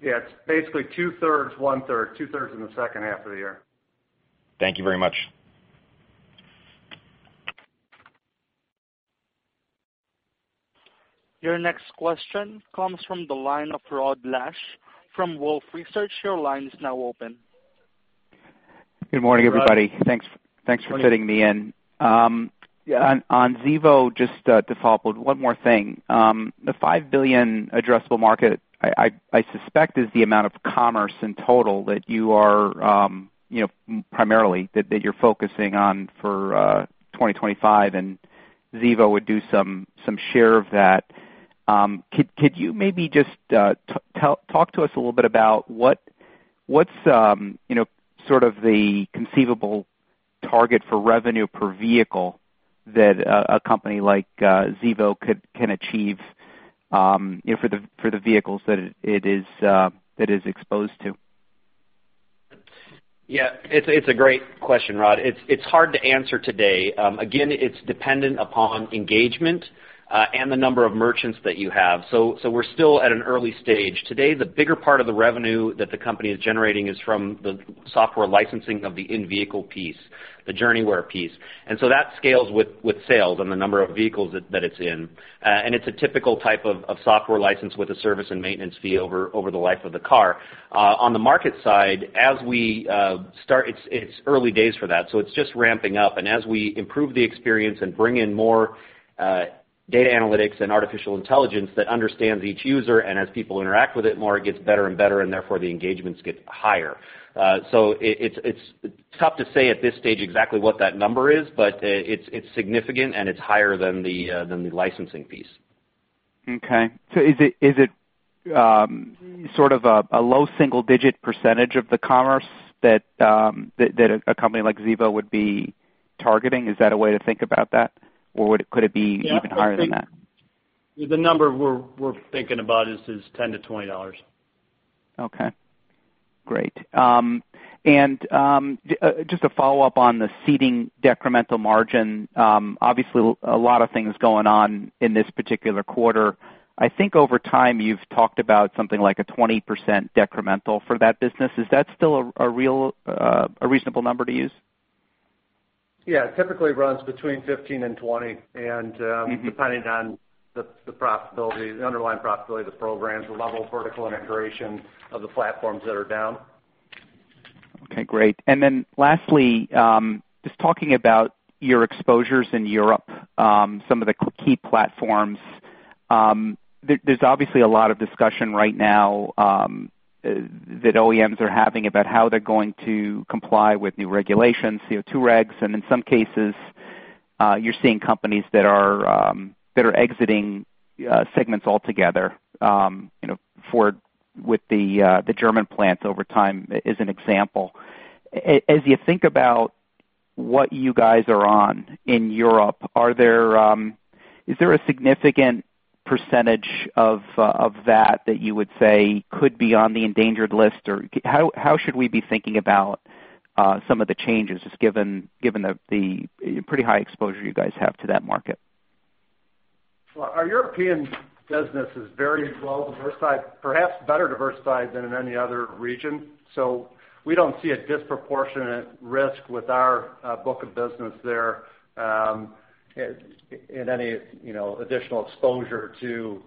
[SPEAKER 3] It's basically two-thirds, one-third. Two-thirds in the H2 of the year.
[SPEAKER 12] Thank you very much.
[SPEAKER 1] Your next question comes from the line of Rod Lache from Wolfe Research. Your line is now open.
[SPEAKER 13] Good morning, everybody. Thanks for fitting me in. On Xevo, just to follow up with one more thing. The $5 billion addressable market, I suspect, is the amount of commerce in total that you are primarily focusing on for 2025, and Xevo would do some share of that. Could you maybe just talk to us a little bit about what's the conceivable target for revenue per vehicle that a company like Xevo can achieve for the vehicles that it is exposed to?
[SPEAKER 4] Yeah, it's a great question, Rod. It's hard to answer today. Again, it's dependent upon engagement and the number of merchants that you have. We're still at an early stage. Today, the bigger part of the revenue that the company is generating is from the software licensing of the in-vehicle piece, the Journeyware piece. That scales with sales and the number of vehicles that it's in. It's a typical type of software license with a service and maintenance fee over the life of the car. On the market side, it's early days for that, it's just ramping up. As we improve the experience and bring in more data analytics and artificial intelligence that understands each user, and as people interact with it more, it gets better and better, and therefore the engagements get higher. It's tough to say at this stage exactly what that number is, but it's significant, and it's higher than the licensing piece.
[SPEAKER 13] Is it sort of a low single-digit % of the commerce that a company like Xevo would be targeting? Is that a way to think about that, or could it be even higher than that?
[SPEAKER 7] The number we're thinking about is $10-$20.
[SPEAKER 13] Okay, great. Just to follow up on the Seating decremental margin, obviously, a lot of things going on in this particular quarter. I think over time, you've talked about something like a 20% decremental for that business. Is that still a reasonable number to use?
[SPEAKER 7] Yeah. It typically runs between 15 and 20, and depending on the underlying profitability of the programs, the level of vertical integration of the platforms that are down.
[SPEAKER 13] Okay, great. Lastly, just talking about your exposures in Europe, some of the key platforms. There's obviously a lot of discussion right now that OEMs are having about how they're going to comply with new regulations, CO2 regs, and in some cases, you're seeing companies that are exiting segments altogether with the German plants over time, as an example. As you think about what you guys are on in Europe, is there a significant percentage of that you would say could be on the endangered list? Or how should we be thinking about some of the changes, just given the pretty high exposure you guys have to that market?
[SPEAKER 7] Well, our European business is very well-diversified, perhaps better diversified than in any other region. We don't see a disproportionate risk with our book of business there in any additional exposure to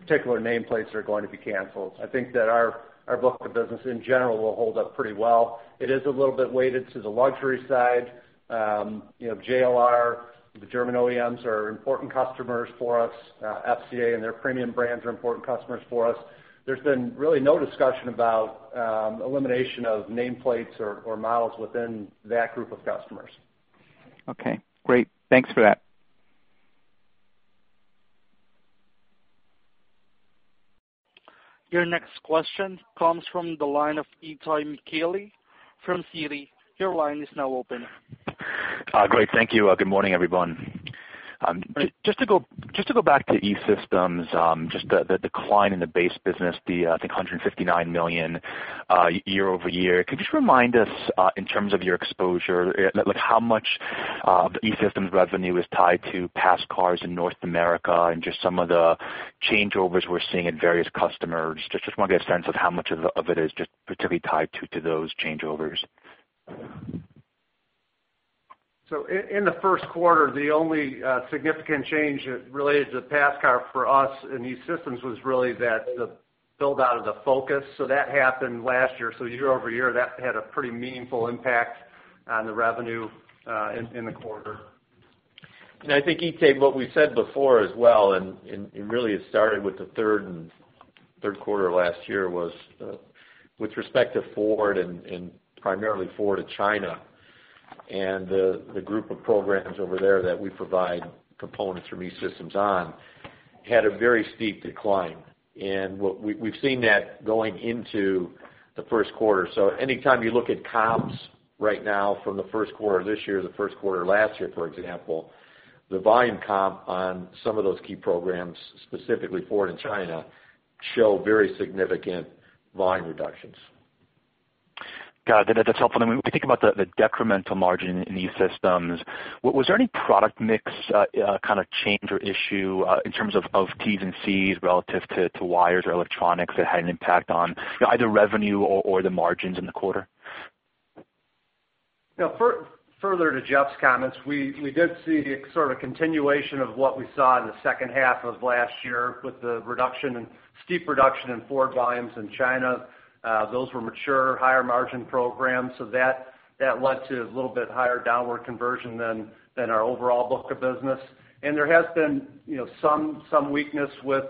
[SPEAKER 7] particular nameplates that are going to be canceled. I think that our book of business, in general, will hold up pretty well. It is a little bit weighted to the luxury side. JLR, the German OEMs are important customers for us. FCA and their premium brands are important customers for us. There's been really no discussion about elimination of nameplates or models within that group of customers.
[SPEAKER 13] Okay, great. Thanks for that.
[SPEAKER 1] Your next question comes from the line of Itay Michaeli from Citi. Your line is now open.
[SPEAKER 14] Great. Thank you. Good morning, everyone. Just to go back to E-Systems, just the decline in the base business, the, I think, $159 million year-over-year. Could you just remind us in terms of your exposure, how much of E-Systems revenue is tied to passenger cars in North America and just some of the changeovers we're seeing in various customers? Just want to get a sense of how much of it is just particularly tied to those changeovers.
[SPEAKER 3] In the Q1, the only significant change related to passenger car for us in E-Systems was really the build-out of the Focus. That happened last year. Year-over-year, that had a pretty meaningful impact on the revenue in the quarter.
[SPEAKER 5] I think, Itay, what we said before as well, and really it started with the Q3 last year, was with respect to Ford and primarily Ford in China and the group of programs over there that we provide components from E-Systems on, had a very steep decline. We've seen that going into the Q1. Anytime you look at comps right now from the Q1 this year to the Q1 last year, for example, the volume comp on some of those key programs, specifically Ford in China, show very significant volume reductions.
[SPEAKER 14] Got it. That's helpful. When we think about the decremental margin in E-Systems, was there any product mix kind of change or issue in terms of Terminals and Connectors relative to wires or electronics that had an impact on either revenue or the margins in the quarter?
[SPEAKER 3] Further to Jeff's comments, we did see the sort of continuation of what we saw in the H2 of last year with the steep reduction in Ford volumes in China. Those were mature, higher margin programs. That led to a little bit higher downward conversion than our overall book of business. There has been some weakness with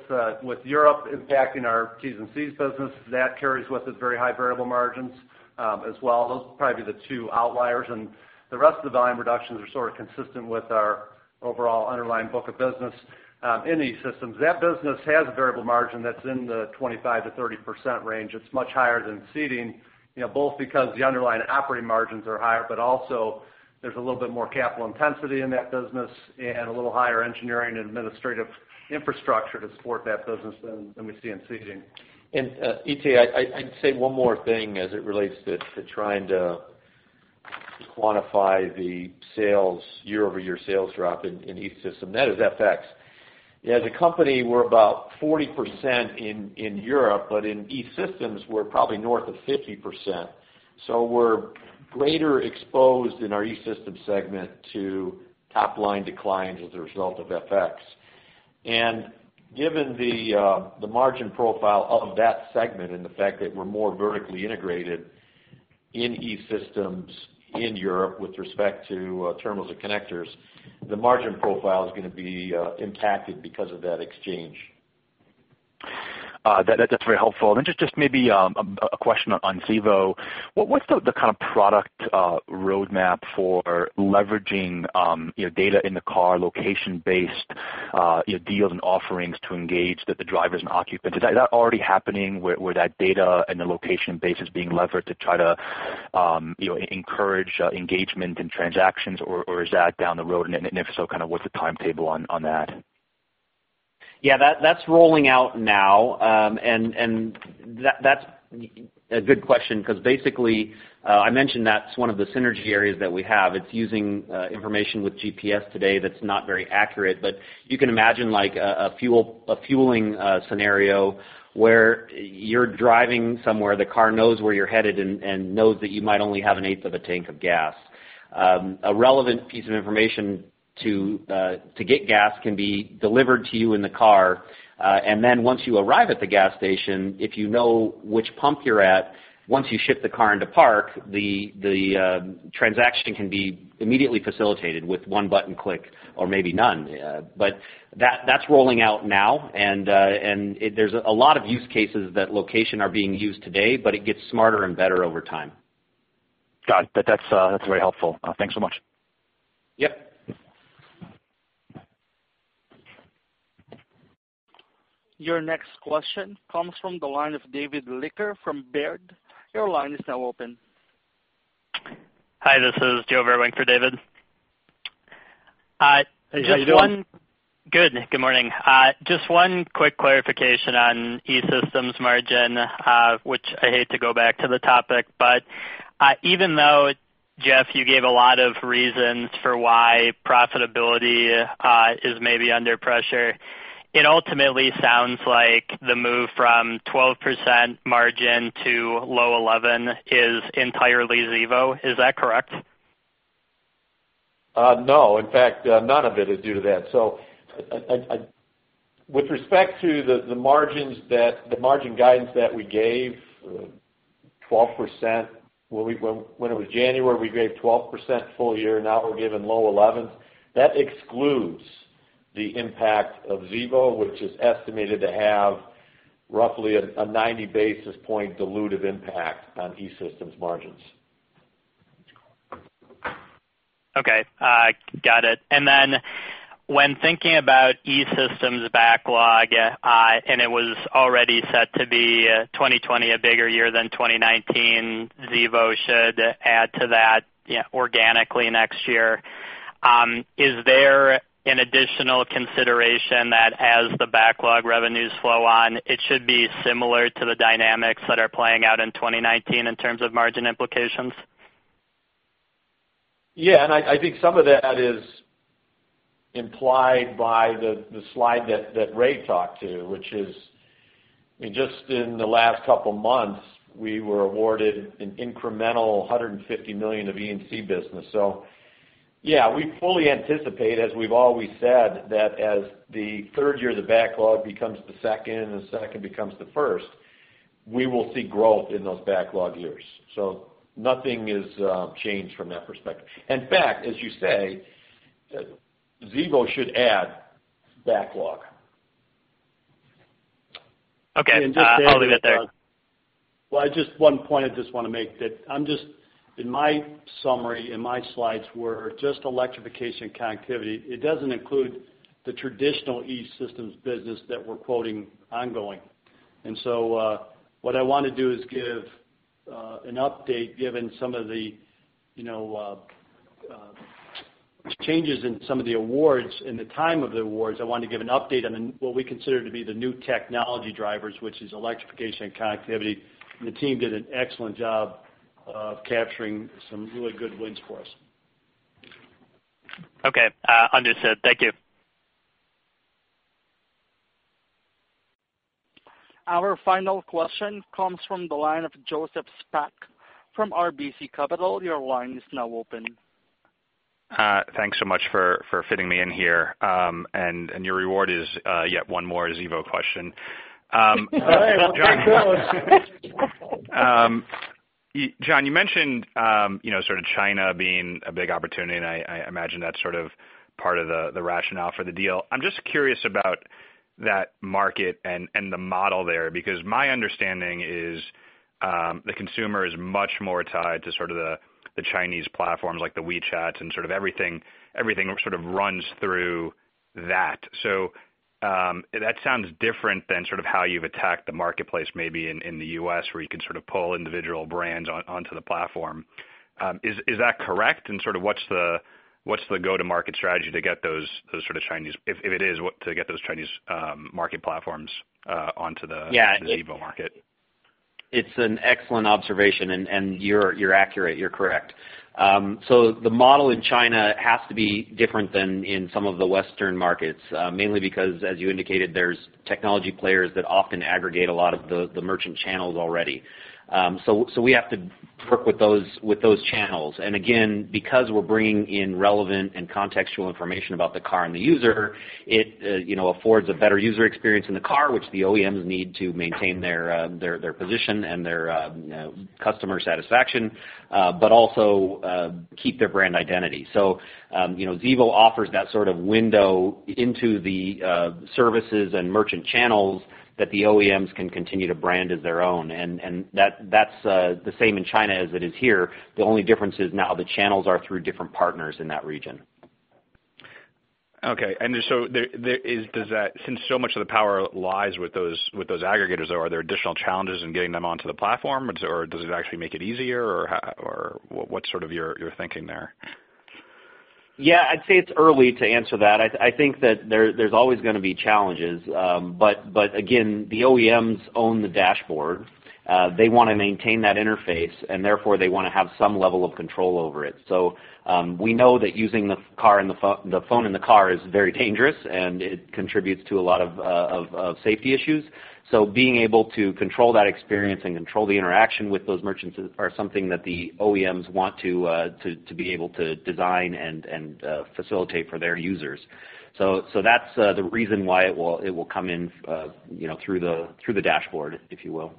[SPEAKER 3] Europe impacting our terminals and connectors business. That carries with it very high variable margins as well. Those will probably be the two outliers and the rest of the volume reductions are sort of consistent with our overall underlying book of business in E-Systems. That business has a variable margin that's in the 25%-30% range. It's much higher than Seating, both because the underlying operating margins are higher, also there's a little bit more capital intensity in that business and a little higher engineering and administrative infrastructure to support that business than we see in Seating.
[SPEAKER 5] Itay, I'd say one more thing as it relates to trying to quantify the year-over-year sales drop in E-Systems, that is FX. As a company, we're about 40% in Europe, in E-Systems, we're probably north of 50%. We're greater exposed in our E-Systems segment to top-line declines as a result of FX. Given the margin profile of that segment and the fact that we're more vertically integrated in E-Systems in Europe with respect to terminals and connectors, the margin profile is going to be impacted because of that exchange.
[SPEAKER 14] That's very helpful. Just maybe a question on Xevo. What's the kind of product roadmap for leveraging data in the car, location-based deals and offerings to engage the drivers and occupants? Is that already happening where that data and the location-based is being leveraged to try to encourage engagement in transactions, or is that down the road? If so, kind of what's the timetable on that?
[SPEAKER 4] Yeah, that's rolling out now. That's a good question because basically, I mentioned that's one of the synergy areas that we have. It's using information with GPS today that's not very accurate, but you can imagine like a fueling scenario where you're driving somewhere, the car knows where you're headed and knows that you might only have an eighth of a tank of gas. A relevant piece of information to get gas can be delivered to you in the car, and then once you arrive at the gas station, if you know which pump you're at, once you shift the car into park, the transaction can be immediately facilitated with one button click or maybe none. That's rolling out now, and there's a lot of use cases that location are being used today, but it gets smarter and better over time.
[SPEAKER 14] Got it. That's very helpful. Thanks so much.
[SPEAKER 4] Yep.
[SPEAKER 1] Your next question comes from the line of David Leiker from Baird. Your line is now open.
[SPEAKER 15] Hi, this is Joe Vruwink for David.
[SPEAKER 3] How you doing?
[SPEAKER 15] Good. Good morning. Even though, Jeff, you gave a lot of reasons for why profitability is maybe under pressure, it ultimately sounds like the move from 12% margin to low 11 is entirely Xevo. Is that correct?
[SPEAKER 5] No. In fact, none of it is due to that. With respect to the margin guidance that we gave, when it was January, we gave 12% full year. Now we're giving low 11s. That excludes the impact of Xevo, which is estimated to have roughly a 90 basis point dilutive impact on E-Systems margins.
[SPEAKER 15] Okay, got it. Then when thinking about E-Systems backlog, it was already set to be 2020 a bigger year than 2019, Xevo should add to that organically next year. Is there an additional consideration that as the backlog revenues flow on, it should be similar to the dynamics that are playing out in 2019 in terms of margin implications?
[SPEAKER 5] I think some of that is implied by the slide that Ray talked to, which is just in the last couple of months, we were awarded an incremental $150 million of E&C business. We fully anticipate, as we've always said, that as the third year, the backlog becomes the second, and the second becomes the first, we will see growth in those backlog years. Nothing has changed from that perspective. In fact, as you say, Xevo should add backlog.
[SPEAKER 15] Okay. I'll leave it there.
[SPEAKER 3] Just one point I just want to make that in my summary, in my slides were just electrification and connectivity. It doesn't include the traditional E-Systems business that we're quoting ongoing. What I want to do is give an update given some of the changes in some of the awards. In the time of the awards, I wanted to give an update on what we consider to be the new technology drivers, which is electrification and connectivity. The team did an excellent job of capturing some really good wins for us.
[SPEAKER 15] Okay, understood. Thank you.
[SPEAKER 1] Our final question comes from the line of Joseph Spak from RBC Capital. Your line is now open.
[SPEAKER 16] Thanks so much for fitting me in here. Your reward is yet one more Xevo question.
[SPEAKER 3] Hey, John.
[SPEAKER 16] John, you mentioned sort of China being a big opportunity, and I imagine that's sort of part of the rationale for the deal. I'm just curious about that market and the model there, because my understanding is the consumer is much more tied to sort of the Chinese platforms like the WeChat and sort of everything sort of runs through that. So, that sounds different than sort of how you've attacked the Marketplace maybe in the U.S., where you can sort of pull individual brands onto the platform. Is that correct? What's the go-to-market strategy to get those sort of Chinese to get those Chinese market platforms onto the-
[SPEAKER 4] Yeah
[SPEAKER 16] Xevo Market?
[SPEAKER 4] It's an excellent observation, and you're accurate, you're correct. The model in China has to be different than in some of the Western markets. Mainly because, as you indicated, there's technology players that often aggregate a lot of the merchant channels already. We have to work with those channels. Again, because we're bringing in relevant and contextual information about the car and the user, it affords a better user experience in the car, which the OEMs need to maintain their position and their customer satisfaction. Also keep their brand identity. Xevo offers that sort of window into the services and merchant channels that the OEMs can continue to brand as their own. That's the same in China as it is here. The only difference is now the channels are through different partners in that region.
[SPEAKER 16] Okay. Since so much of the power lies with those aggregators, are there additional challenges in getting them onto the platform, or does it actually make it easier? What's sort of your thinking there?
[SPEAKER 4] Yeah, I'd say it's early to answer that. I think that there's always gonna be challenges. Again, the OEMs own the dashboard. They want to maintain that interface, and therefore they want to have some level of control over it. We know that using the phone in the car is very dangerous, and it contributes to a lot of safety issues. Being able to control that experience and control the interaction with those merchants are something that the OEMs want to be able to design and facilitate for their users. That's the reason why it will come in through the dashboard, if you will.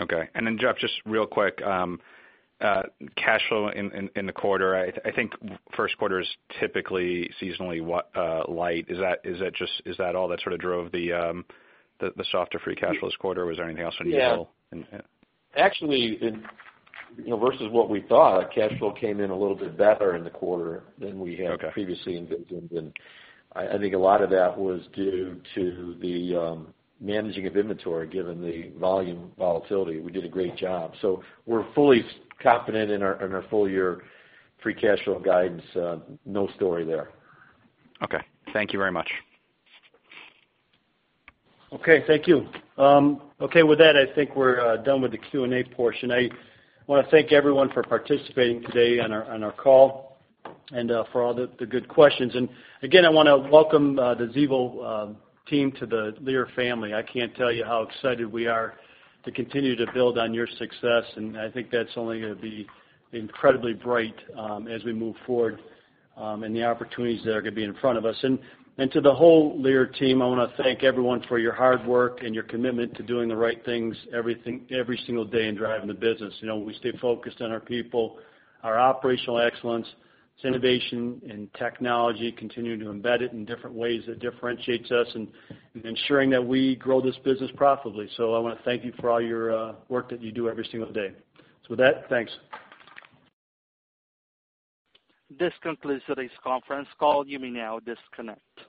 [SPEAKER 16] Okay. Jeff, just real quick, cash flow in the quarter, I think Q1 is typically seasonally light. Is that all that sort of drove the softer free cash flow this quarter? Was there anything else from Xevo?
[SPEAKER 5] Yeah. Actually, versus what we thought, cash flow came in a little bit better in the quarter than we had. Okay previously envisioned. I think a lot of that was due to the managing of inventory, given the volume volatility. We did a great job. We're fully confident in our full-year free cash flow guidance. No story there.
[SPEAKER 16] Okay. Thank you very much.
[SPEAKER 3] Okay, thank you. Okay, with that, I think we're done with the Q&A portion. I want to thank everyone for participating today on our call and for all the good questions. Again, I want to welcome the Xevo team to the Lear family. I can't tell you how excited we are to continue to build on your success, and I think that's only going to be incredibly bright as we move forward, and the opportunities that are going to be in front of us. To the whole Lear team, I want to thank everyone for your hard work and your commitment to doing the right things every single day in driving the business. We stay focused on our people, our operational excellence. It's innovation and technology, continuing to embed it in different ways that differentiates us and ensuring that we grow this business profitably. I want to thank you for all your work that you do every single day. With that, thanks.
[SPEAKER 1] This concludes today's conference call. You may now disconnect.